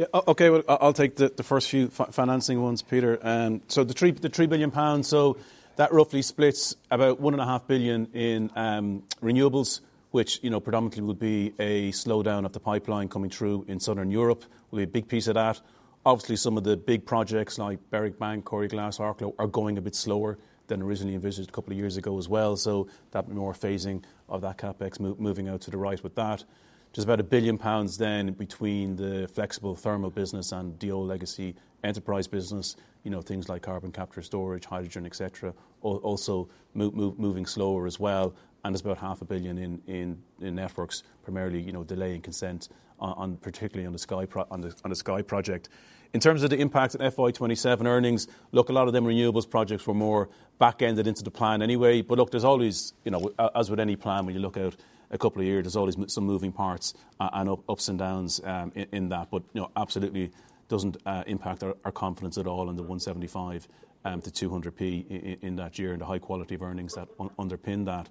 Yeah, okay, I'll take the first few financing ones, Peter. The 3 billion pounds, so that roughly splits about 1.5 billion in renewables, which predominantly will be a slowdown of the pipeline coming through in southern Europe. That will be a big piece of that. Obviously, some of the big projects like Berwick Bank, Corrie Glass, Arklow are going a bit slower than originally envisaged a couple of years ago as well. That is more phasing of that CapEx moving out to the right with that. Just about 1 billion pounds then between the flexible thermal business and the old legacy enterprise business, things like carbon capture, storage, hydrogen, etc., also moving slower as well. And there's about 500 million in networks, primarily delaying consent, particularly on the Skye project. In terms of the impact on FY2027 earnings, look, a lot of them renewables projects were more back-ended into the plan anyway. But look, there's always, as with any plan, when you look out a couple of years, there's always some moving parts and ups and downs in that. But absolutely doesn't impact our confidence at all in the 175-200p in that year and the high quality of earnings that underpin that.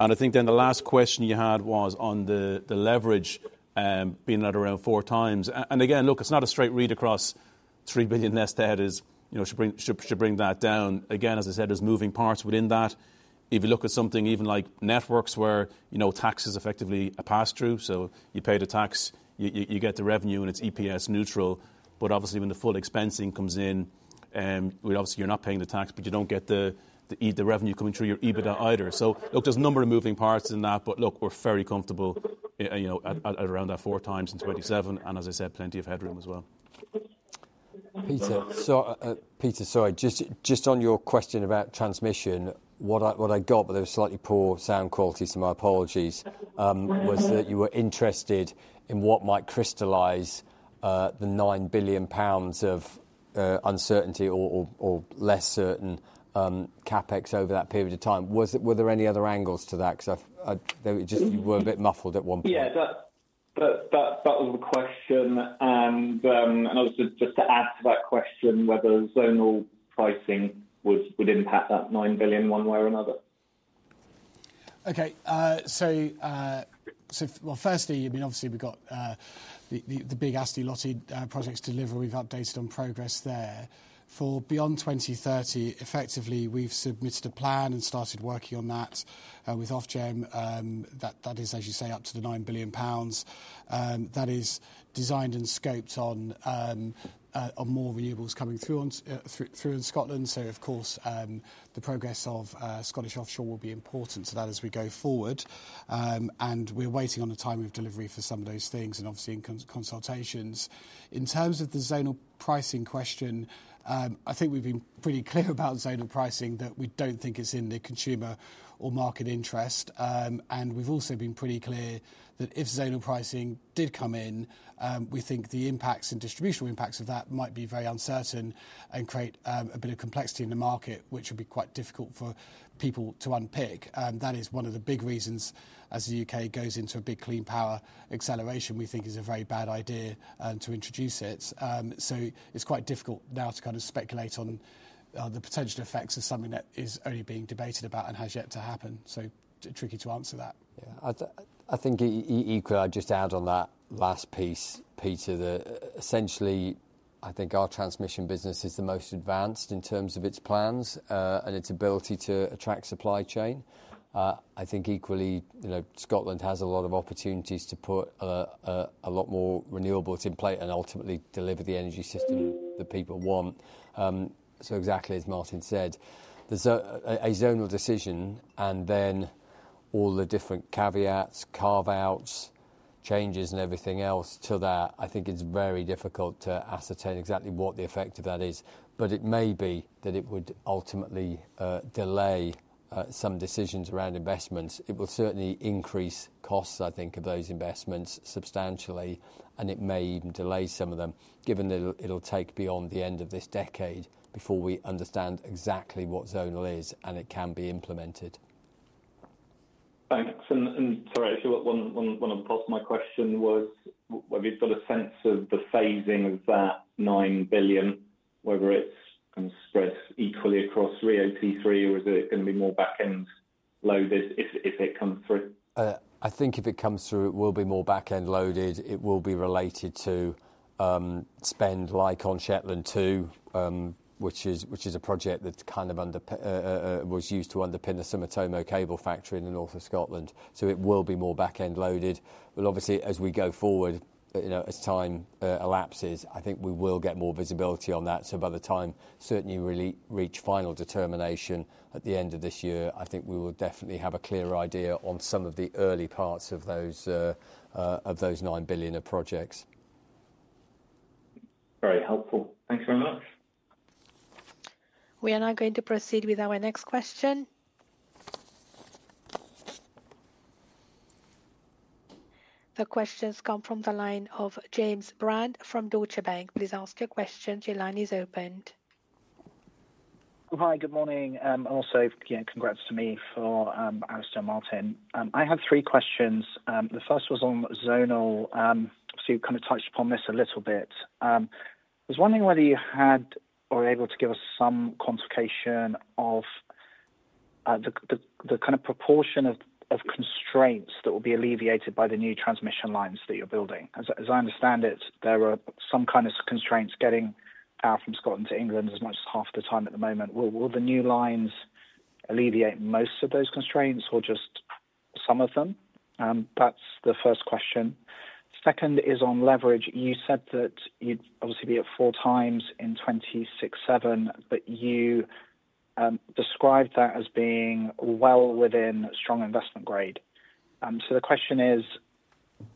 And I think then the last question you had was on the leverage being at around four times. And again, look, it's not a straight read across 3 billion nest heads. It should bring that down. Again, as I said, there's moving parts within that. If you look at something even like networks where tax is effectively a pass-through, you pay the tax, you get the revenue, and it's EPS neutral. Obviously, when the full expensing comes in, you're not paying the tax, but you don't get the revenue coming through your EBITDA either. Look, there's a number of moving parts in that. We're very comfortable at around that four times in 2027. As I said, plenty of headroom as well. Peter, sorry, just on your question about transmission, what I got, but there was slightly poor sound quality, so my apologies, was that you were interested in what might crystallize the 9 billion pounds of uncertainty or less certain CapEx over that period of time. Were there any other angles to that? Because you were a bit muffled at one point. Yeah, that was the question. And obviously, just to add to that question, whether zonal pricing would impact that 9 billion one way or another. Okay, firstly, I mean, obviously we've got the big ASTE LOTTE projects to deliver. We've updated on progress there. For beyond 2030, effectively, we've submitted a plan and started working on that with Ofgem. That is, as you say, up to the 9 billion pounds. That is designed and scoped on more renewables coming through in Scotland. Of course, the progress of Scottish offshore will be important to that as we go forward. We're waiting on the time of delivery for some of those things and obviously in consultations. In terms of the zonal pricing question, I think we've been pretty clear about zonal pricing that we don't think it's in the consumer or market interest. We've also been pretty clear that if zonal pricing did come in, we think the impacts and distributional impacts of that might be very uncertain and create a bit of complexity in the market, which would be quite difficult for people to unpick. That is one of the big reasons as the U.K. goes into a big clean power acceleration, we think is a very bad idea to introduce it. It's quite difficult now to kind of speculate on the potential effects of something that is only being debated about and has yet to happen. Tricky to answer that. Yeah, I think Equinor, I'd just add on that last piece, Peter, that essentially I think our transmission business is the most advanced in terms of its plans and its ability to attract supply chain. I think equally, Scotland has a lot of opportunities to put a lot more renewables in place and ultimately deliver the energy system that people want. Exactly as Martin said, there's a zonal decision and then all the different caveats, carve-outs, changes, and everything else to that. I think it's very difficult to ascertain exactly what the effect of that is. It may be that it would ultimately delay some decisions around investments. It will certainly increase costs, I think, of those investments substantially. It may even delay some of them, given that it will take beyond the end of this decade before we understand exactly what zonal is and it can be implemented. Thanks. Sorry, actually, one of my questions was, have you got a sense of the phasing of that 9 billion, whether it is kind of spread equally across RIIO-T3 or is it going to be more back-end loaded if it comes through? I think if it comes through, it will be more back-end loaded. It will be related to spend like on Shetland 2, which is a project that was used to underpin the Sumitomo Cable Factory in the north of Scotland. It will be more back-end loaded. Obviously, as we go forward, as time elapses, I think we will get more visibility on that. By the time we certainly reach final determination at the end of this year, I think we will definitely have a clearer idea on some of the early parts of those 9 billion projects. Very helpful. Thanks very much. We are now going to proceed with our next question. The questions come from the line of James Brand from Deutsche Bank. Please ask your question. Your line is opened. Hi, good morning. Also, again, congrats to me for Alastair Martin. I have three questions. The first was on zonal. You kind of touched upon this a little bit. I was wondering whether you had or were able to give us some quantification of the kind of proportion of constraints that will be alleviated by the new transmission lines that you're building. As I understand it, there are some kind of constraints getting power from Scotland to England as much as half the time at the moment. Will the new lines alleviate most of those constraints or just some of them? That's the first question. Second is on leverage. You said that you'd obviously be at four times in 2026-2027, but you described that as being well within strong investment grade. So the question is,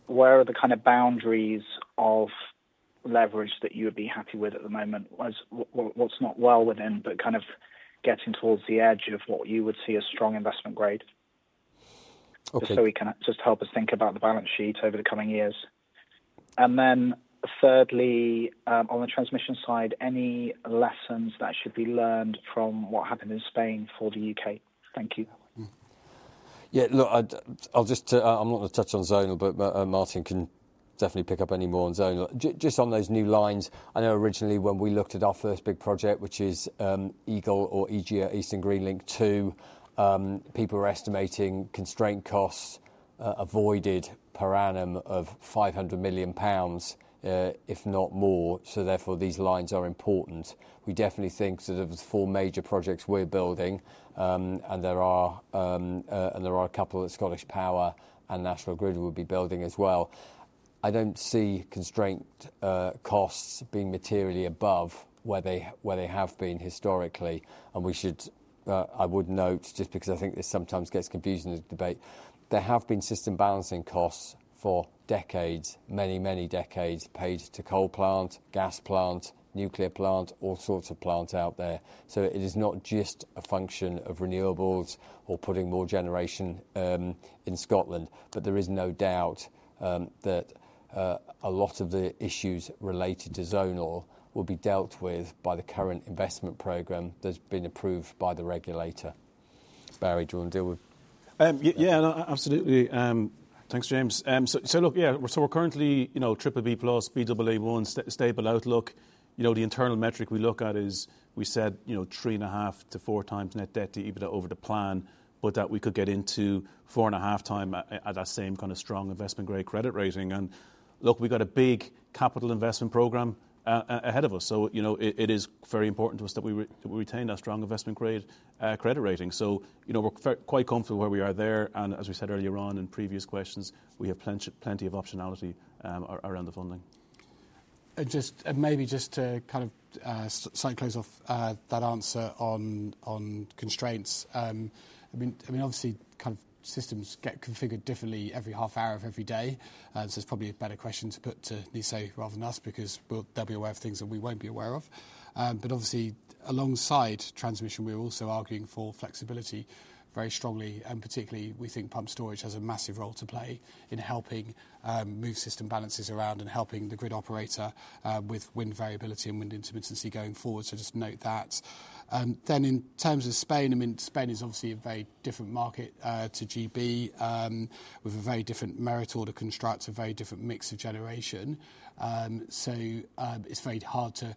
where are the kind of boundaries of leverage that you would be happy with at the moment? What's not well within, but kind of getting towards the edge of what you would see as strong investment grade? Just so we can just help us think about the balance sheet over the coming years. Thirdly, on the transmission side, any lessons that should be learned from what happened in Spain for the U.K.? Thank you. Yeah, look, I'm not going to touch on zonal, but Martin can definitely pick up any more on zonal. Just on those new lines, I know originally when we looked at our first big project, which is EGL2, Eastern Green Link 2, people were estimating constraint costs avoided per annum of 500 million pounds, if not more. Therefore, these lines are important. We definitely think the four major projects we're building, and there are a couple that Scottish Power and National Grid would be building as well. I don't see constraint costs being materially above where they have been historically. I would note, just because I think this sometimes gets confused in this debate, there have been system balancing costs for decades, many, many decades paid to coal plant, gas plant, nuclear plant, all sorts of plants out there. It is not just a function of renewables or putting more generation in Scotland. There is no doubt that a lot of the issues related to zonal will be dealt with by the current investment program that has been approved by the regulator. Barry, do you want to deal with? Yeah, absolutely. Thanks, James. Look, we are currently AAA plus, BAA1, stable outlook. The internal metric we look at is, we said, three and a half to four times net debt to EBITDA over the plan, but that we could get into four and a half times at that same kind of strong investment grade credit rating. We have a big capital investment program ahead of us. It is very important to us that we retain our strong investment grade credit rating. We are quite comfortable where we are there. As we said earlier on in previous questions, we have plenty of optionality around the funding. Maybe just to kind of close off that answer on constraints, I mean, obviously, systems get configured differently every half hour of every day. It is probably a better question to put to National Grid rather than us because they will be aware of things that we will not be aware of. Obviously, alongside transmission, we are also arguing for flexibility very strongly. Particularly, we think pumped storage has a massive role to play in helping move system balances around and helping the grid operator with wind variability and wind intermittency going forward. Just note that. In terms of Spain, Spain is obviously a very different market to GB with a very different merit order construct, a very different mix of generation. It is very hard to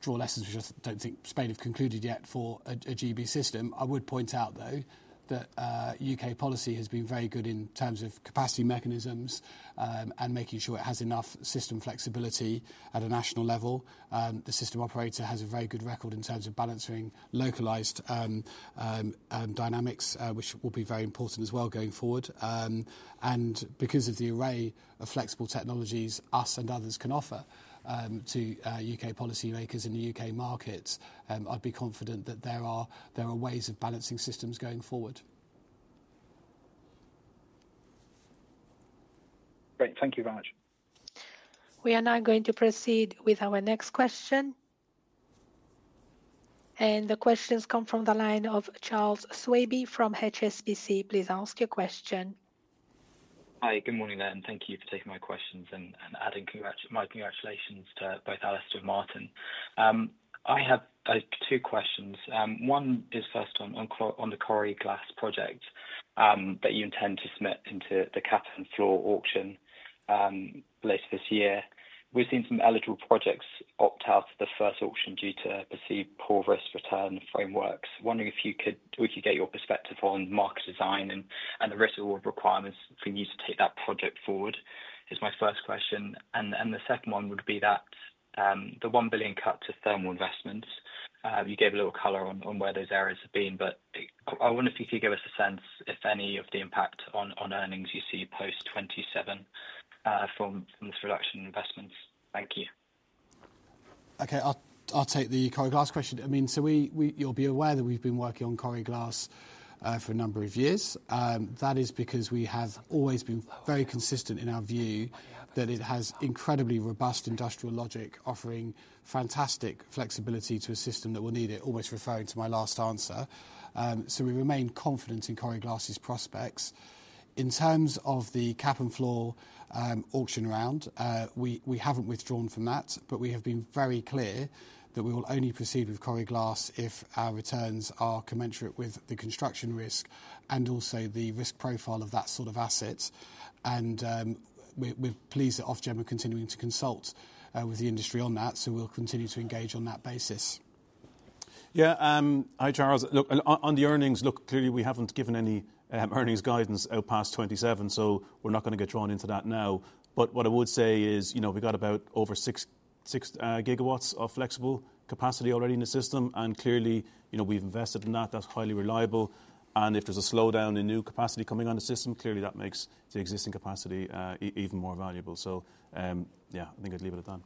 draw lessons, which I do not think Spain have concluded yet for a GB system. I would point out, though, that U.K. policy has been very good in terms of capacity mechanisms and making sure it has enough system flexibility at a national level. The system operator has a very good record in terms of balancing localized dynamics, which will be very important as well going forward. Because of the array of flexible technologies us and others can offer to U.K. policymakers in the U.K. markets, I would be confident that there are ways of balancing systems going forward. Great. Thank you very much. We are now going to proceed with our next question. The questions come from the line of Charles Swabey from HSBC. Please ask your question. Hi, good morning, then. Thank you for taking my questions and adding my congratulations to both Alastair and Martin. I have two questions. One is first on the Corrie Glass project that you intend to submit into the Cap and Floor auction later this year. We've seen some eligible projects opt out of the first auction due to perceived poor risk return frameworks. Wondering if we could get your perspective on market design and the risk requirements for you to take that project forward is my first question. The second one would be that the 1 billion cut to thermal investments, you gave a little color on where those areas have been, but I wonder if you could give us a sense if any of the impact on earnings you see post 2027 from this reduction in investments. Thank you. Okay, I'll take the Corrie Glass question. I mean, you'll be aware that we've been working on Corrie Glass for a number of years. That is because we have always been very consistent in our view that it has incredibly robust industrial logic, offering fantastic flexibility to a system that will need it, always referring to my last answer. We remain confident in Corrie Glass's prospects. In terms of the Cap and Floor auction round, we haven't withdrawn from that, but we have been very clear that we will only proceed with Corrie Glass if our returns are commensurate with the construction risk and also the risk profile of that sort of asset. We're pleased that Ofgem are continuing to consult with the industry on that, so we'll continue to engage on that basis. Yeah, hi Charles. Look, on the earnings, look, clearly we have not given any earnings guidance past 2027, so we are not going to get drawn into that now. What I would say is we have got about over 6 gigawatts of flexible capacity already in the system, and clearly we have invested in that. That is highly reliable. If there is a slowdown in new capacity coming on the system, clearly that makes the existing capacity even more valuable. Yeah, I think I would leave it at that.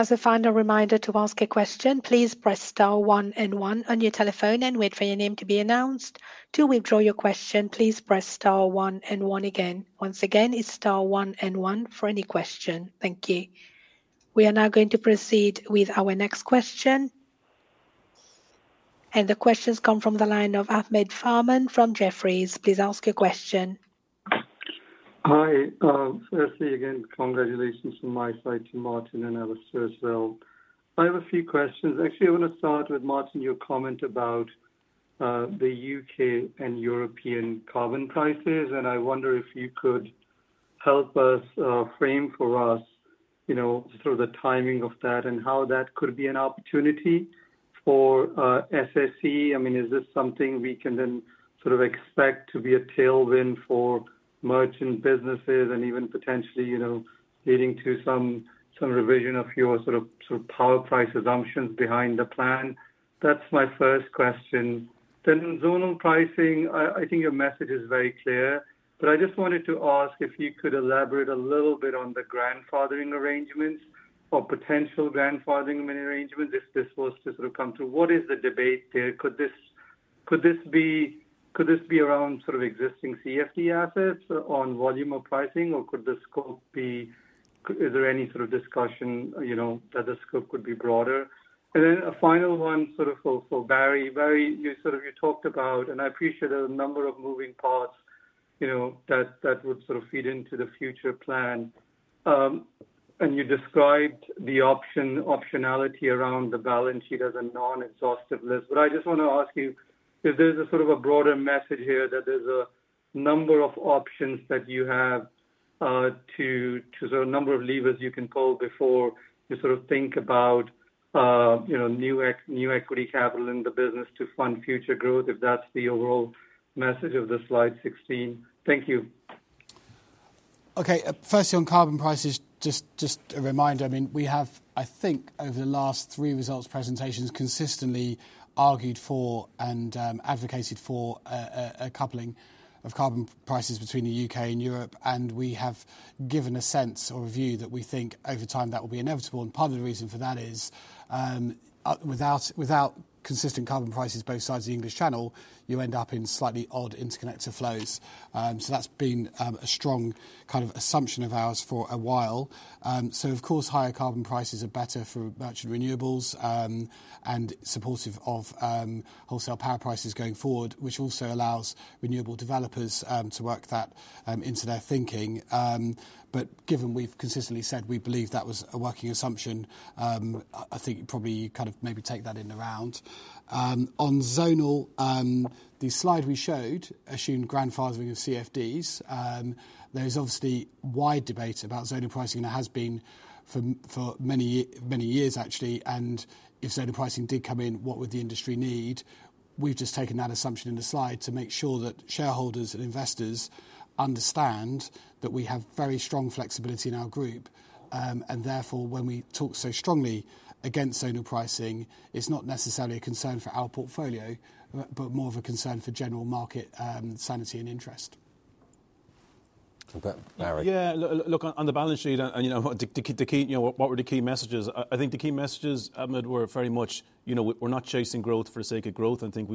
As a final reminder to ask a question, please press star one and one on your telephone and wait for your name to be announced. To withdraw your question, please press star one and one again. Once again, it is star one and one for any question. Thank you. We are now going to proceed with our next question. The questions come from the line of Ahmed Farman from Jefferies. Please ask your question. Hi, firstly again, congratulations from my side to Martin and Alastair as well. I have a few questions. Actually, I want to start with Martin, your comment about the U.K. and European carbon prices. I wonder if you could help us frame for us sort of the timing of that and how that could be an opportunity for SSE. I mean, is this something we can then sort of expect to be a tailwind for merchant businesses and even potentially leading to some revision of your sort of power price assumptions behind the plan? That is my first question. Zonal pricing, I think your message is very clear. I just wanted to ask if you could elaborate a little bit on the grandfathering arrangements or potential grandfathering arrangements if this was to sort of come through. What is the debate there? Could this be around sort of existing CFD assets on volume or pricing, or could the scope be? Is there any sort of discussion that the scope could be broader? A final one for Barry. Barry, you talked about, and I appreciate a number of moving parts that would feed into the future plan. You described the optionality around the balance sheet as a non-exhaustive list. I just want to ask you if there's a sort of a broader message here that there's a number of options that you have, a number of levers you can pull before you think about new equity capital in the business to fund future growth, if that's the overall message of slide 16. Thank you. Okay, firstly on carbon prices, just a reminder. I mean, we have, I think, over the last three results presentations consistently argued for and advocated for a coupling of carbon prices between the U.K. and Europe. I mean, we have given a sense or a view that we think over time that will be inevitable. Part of the reason for that is without consistent carbon prices both sides of the English Channel, you end up in slightly odd interconnected flows. That has been a strong kind of assumption of ours for a while. Of course, higher carbon prices are better for merchant renewables and supportive of wholesale power prices going forward, which also allows renewable developers to work that into their thinking. Given we have consistently said we believe that was a working assumption, I think you probably kind of maybe take that in and around. On zonal, the slide we showed assumed grandfathering of CFDs. There is obviously wide debate about zonal pricing, and it has been for many years, actually. If zonal pricing did come in, what would the industry need? We have just taken that assumption in the slide to make sure that shareholders and investors understand that we have very strong flexibility in our group. Therefore, when we talk so strongly against zonal pricing, it's not necessarily a concern for our portfolio, but more of a concern for general market sanity and interest. Barry. Yeah, look, on the balance sheet, and what were the key messages? I think the key messages, Ahmed, were very much, we're not chasing growth for the sake of growth. I think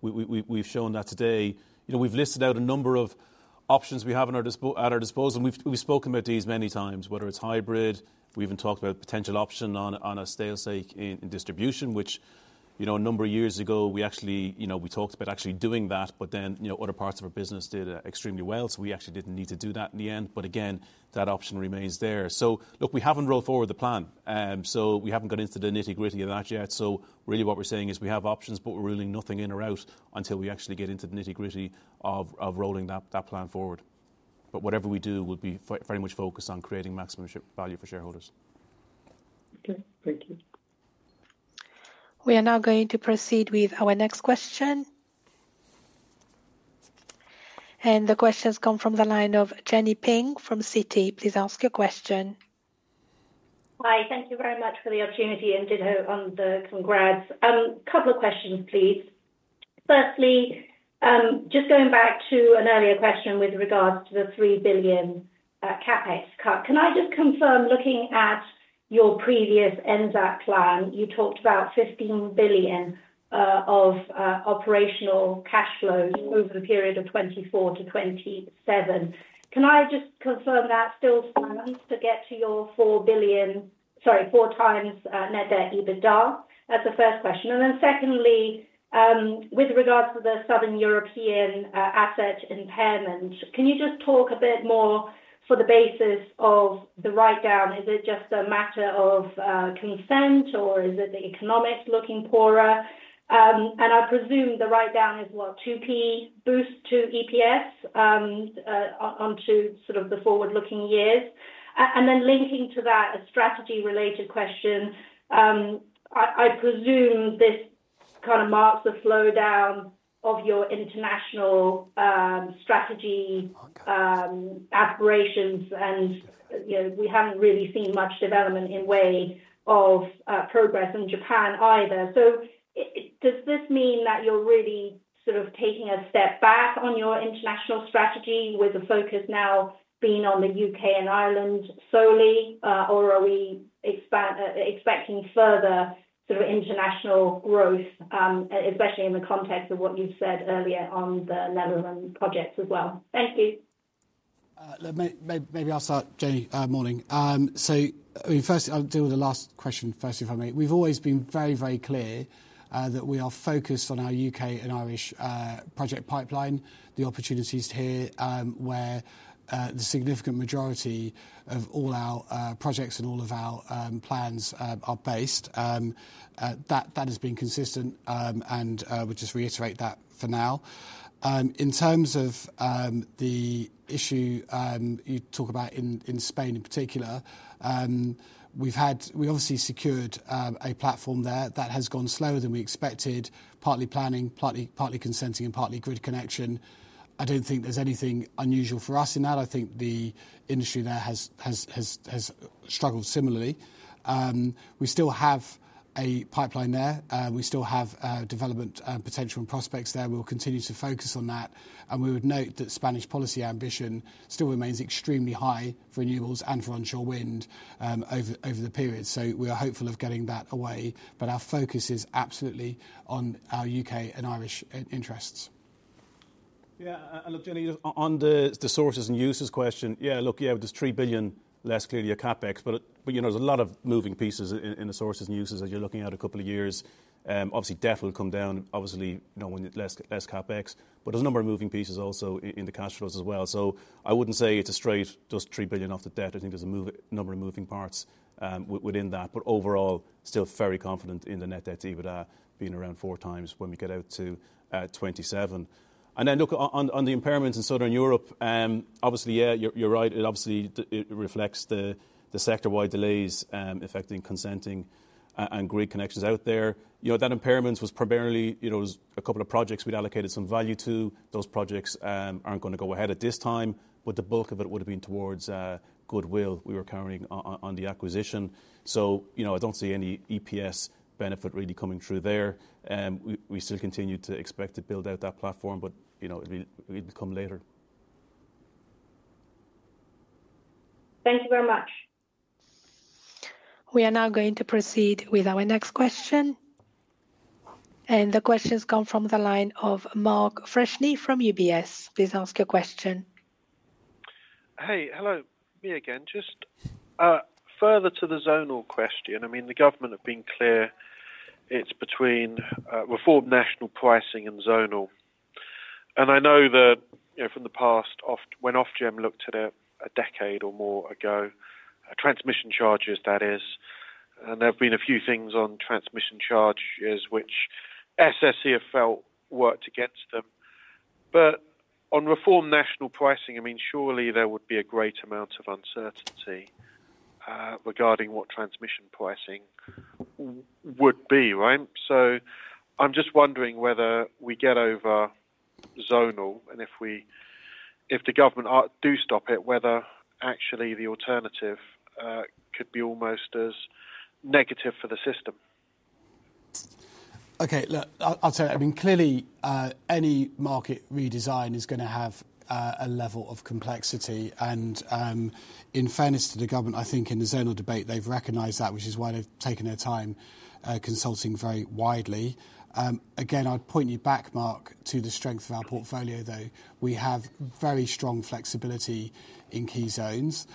we've shown that today. We've listed out a number of options we have at our disposal. And we've spoken about these many times, whether it's hybrid. We've even talked about a potential option on a steel stake in distribution, which a number of years ago, we talked about actually doing that, but then other parts of our business did extremely well. We actually didn't need to do that in the end. Again, that option remains there. Look, we haven't rolled forward the plan. We have not got into the nitty-gritty of that yet. Really what we are saying is we have options, but we are ruling nothing in or out until we actually get into the nitty-gritty of rolling that plan forward. Whatever we do will be very much focused on creating maximum value for shareholders. Okay, thank you. We are now going to proceed with our next question. The questions come from the line of Jenny Ping from CT. Please ask your question. Hi, thank you very much for the opportunity and did hope on the congrats. A couple of questions, please. Firstly, just going back to an earlier question with regards to the 3 billion CapEx cut, can I just confirm looking at your previous NZAC plan, you talked about 15 billion of operational cash flows over the period of 2024 to 2027. Can I just confirm that still stands to get to your 4 times net debt EBITDA? That is the first question. Secondly, with regards to the Southern European asset impairment, can you just talk a bit more for the basis of the write-down? Is it just a matter of consent, or is it the economics looking poorer? I presume the write-down is what, 2 pence boost to EPS onto sort of the forward-looking years. Linking to that, a strategy-related question. I presume this kind of marks a slowdown of your international strategy aspirations, and we have not really seen much development in way of progress in Japan either. Does this mean that you're really sort of taking a step back on your international strategy with the focus now being on the U.K. and Ireland solely, or are we expecting further sort of international growth, especially in the context of what you've said earlier on the Netherlands projects as well? Thank you. Maybe I'll start, Jenny, morning. Firstly, I'll deal with the last question first, if I may. We've always been very, very clear that we are focused on our U.K. and Irish project pipeline, the opportunities here where the significant majority of all our projects and all of our plans are based. That has been consistent, and we'll just reiterate that for now. In terms of the issue you talk about in Spain in particular, we've obviously secured a platform there that has gone slower than we expected, partly planning, partly consenting, and partly grid connection. I don't think there's anything unusual for us in that. I think the industry there has struggled similarly. We still have a pipeline there. We still have development potential and prospects there. We'll continue to focus on that. We would note that Spanish policy ambition still remains extremely high for renewables and for onshore wind over the period. We are hopeful of getting that away, but our focus is absolutely on our U.K. and Irish interests. Yeah, look, Jenny, on the sources and uses question, yeah, look, with this 3 billion less, clearly a CapEx, but there's a lot of moving pieces in the sources and uses as you're looking at a couple of years. Obviously, debt will come down, obviously, with less CapEx, but there's a number of moving pieces also in the cash flows as well. I would not say it is a straight just 3 billion off the debt. I think there are a number of moving parts within that, but overall, still very confident in the net debt EBITDA being around four times when we get out to 2027. On the impairments in Southern Europe, obviously, you are right. It reflects the sector-wide delays affecting consenting and grid connections out there. That impairment was primarily a couple of projects we had allocated some value to. Those projects are not going to go ahead at this time, but the bulk of it would have been towards goodwill we were carrying on the acquisition. I do not see any EPS benefit really coming through there. We still continue to expect to build out that platform, but it will come later. Thank you very much. We are now going to proceed with our next question. The questions come from the line of Mark Freshney from UBS. Please ask your question. Hey, hello. Me again, just further to the zonal question. I mean, the government have been clear it is between reformed national pricing and zonal. I know that from the past, when Ofgem looked at it a decade or more ago, transmission charges, that is. There have been a few things on transmission charges which SSE have felt worked against them. On reformed national pricing, I mean, surely there would be a great amount of uncertainty regarding what transmission pricing would be, right? I am just wondering whether we get over zonal and if the government do stop it, whether actually the alternative could be almost as negative for the system. Okay, look, I will tell you. I mean, clearly, any market redesign is going to have a level of complexity. In fairness to the government, I think in the zonal debate, they have recognized that, which is why they have taken their time consulting very widely. I would point you back, Mark, to the strength of our portfolio, though. We have very strong flexibility in key zones.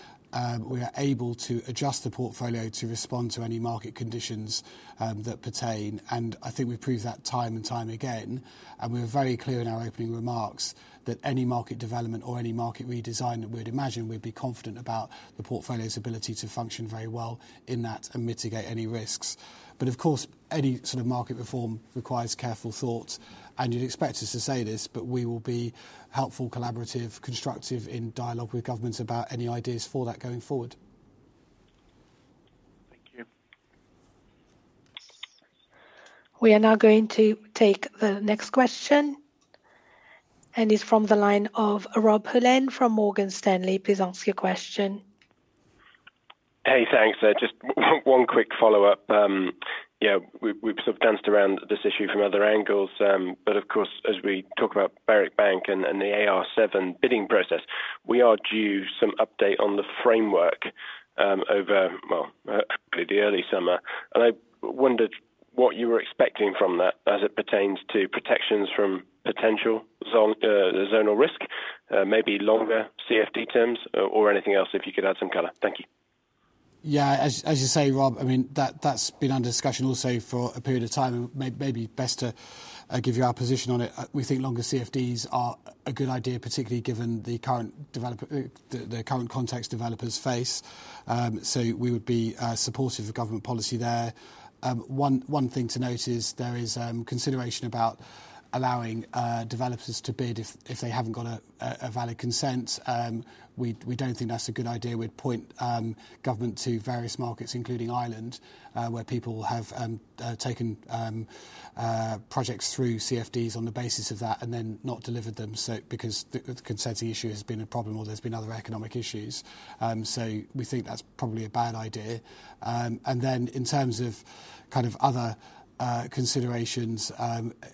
We are able to adjust the portfolio to respond to any market conditions that pertain. I think we have proved that time and time again. We were very clear in our opening remarks that any market development or any market redesign that we would imagine, we would be confident about the portfolio's ability to function very well in that and mitigate any risks. Of course, any sort of market reform requires careful thought. You would expect us to say this, but we will be helpful, collaborative, constructive in dialogue with governments about any ideas for that going forward. Thank you. We are now going to take the next question. It is from the line of Rob Helen from Morgan Stanley. Please ask your question. Hey, thanks. Just one quick follow-up. Yeah, we have sort of danced around this issue from other angles. Of course, as we talk about Berwick Bank and the AR7 bidding process, we are due some update on the framework over, hopefully, the early summer. I wondered what you were expecting from that as it pertains to protections from potential zonal risk, maybe longer CFD terms or anything else if you could add some color. Thank you. Yeah, as you say, Rob, I mean, that has been under discussion also for a period of time. Maybe best to give your position on it. We think longer CFDs are a good idea, particularly given the current context developers face. We would be supportive of government policy there. One thing to note is there is consideration about allowing developers to bid if they haven't got a valid consent. We don't think that's a good idea. We'd point government to various markets, including Ireland, where people have taken projects through CFDs on the basis of that and then not delivered them because the consenting issue has been a problem or there's been other economic issues. We think that's probably a bad idea. In terms of kind of other considerations,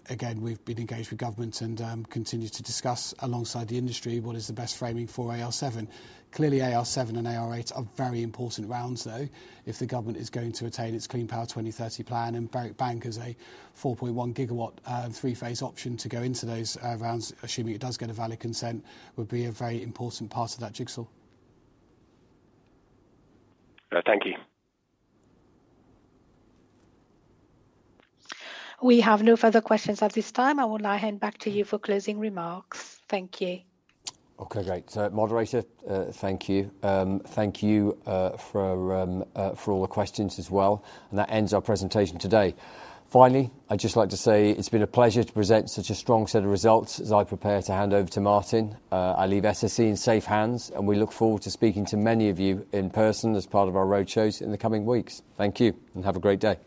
again, we've been engaged with government and continue to discuss alongside the industry what is the best framing for AR7. Clearly, AR7 and AR8 are very important rounds, though. If the government is going to attain its Clean Power 2030 plan and Berwick Bank has a 4.1 gigawatt three-phase option to go into those rounds, assuming it does get a valid consent, would be a very important part of that jigsaw. Thank you. We have no further questions at this time. I will now hand back to you for closing remarks. Thank you. Okay, great. Moderator, thank you. Thank you for all the questions as well. That ends our presentation today. Finally, I'd just like to say it's been a pleasure to present such a strong set of results as I prepare to hand over to Martin. I leave SSE in safe hands, and we look forward to speaking to many of you in person as part of our roadshows in the coming weeks. Thank you, and have a great day.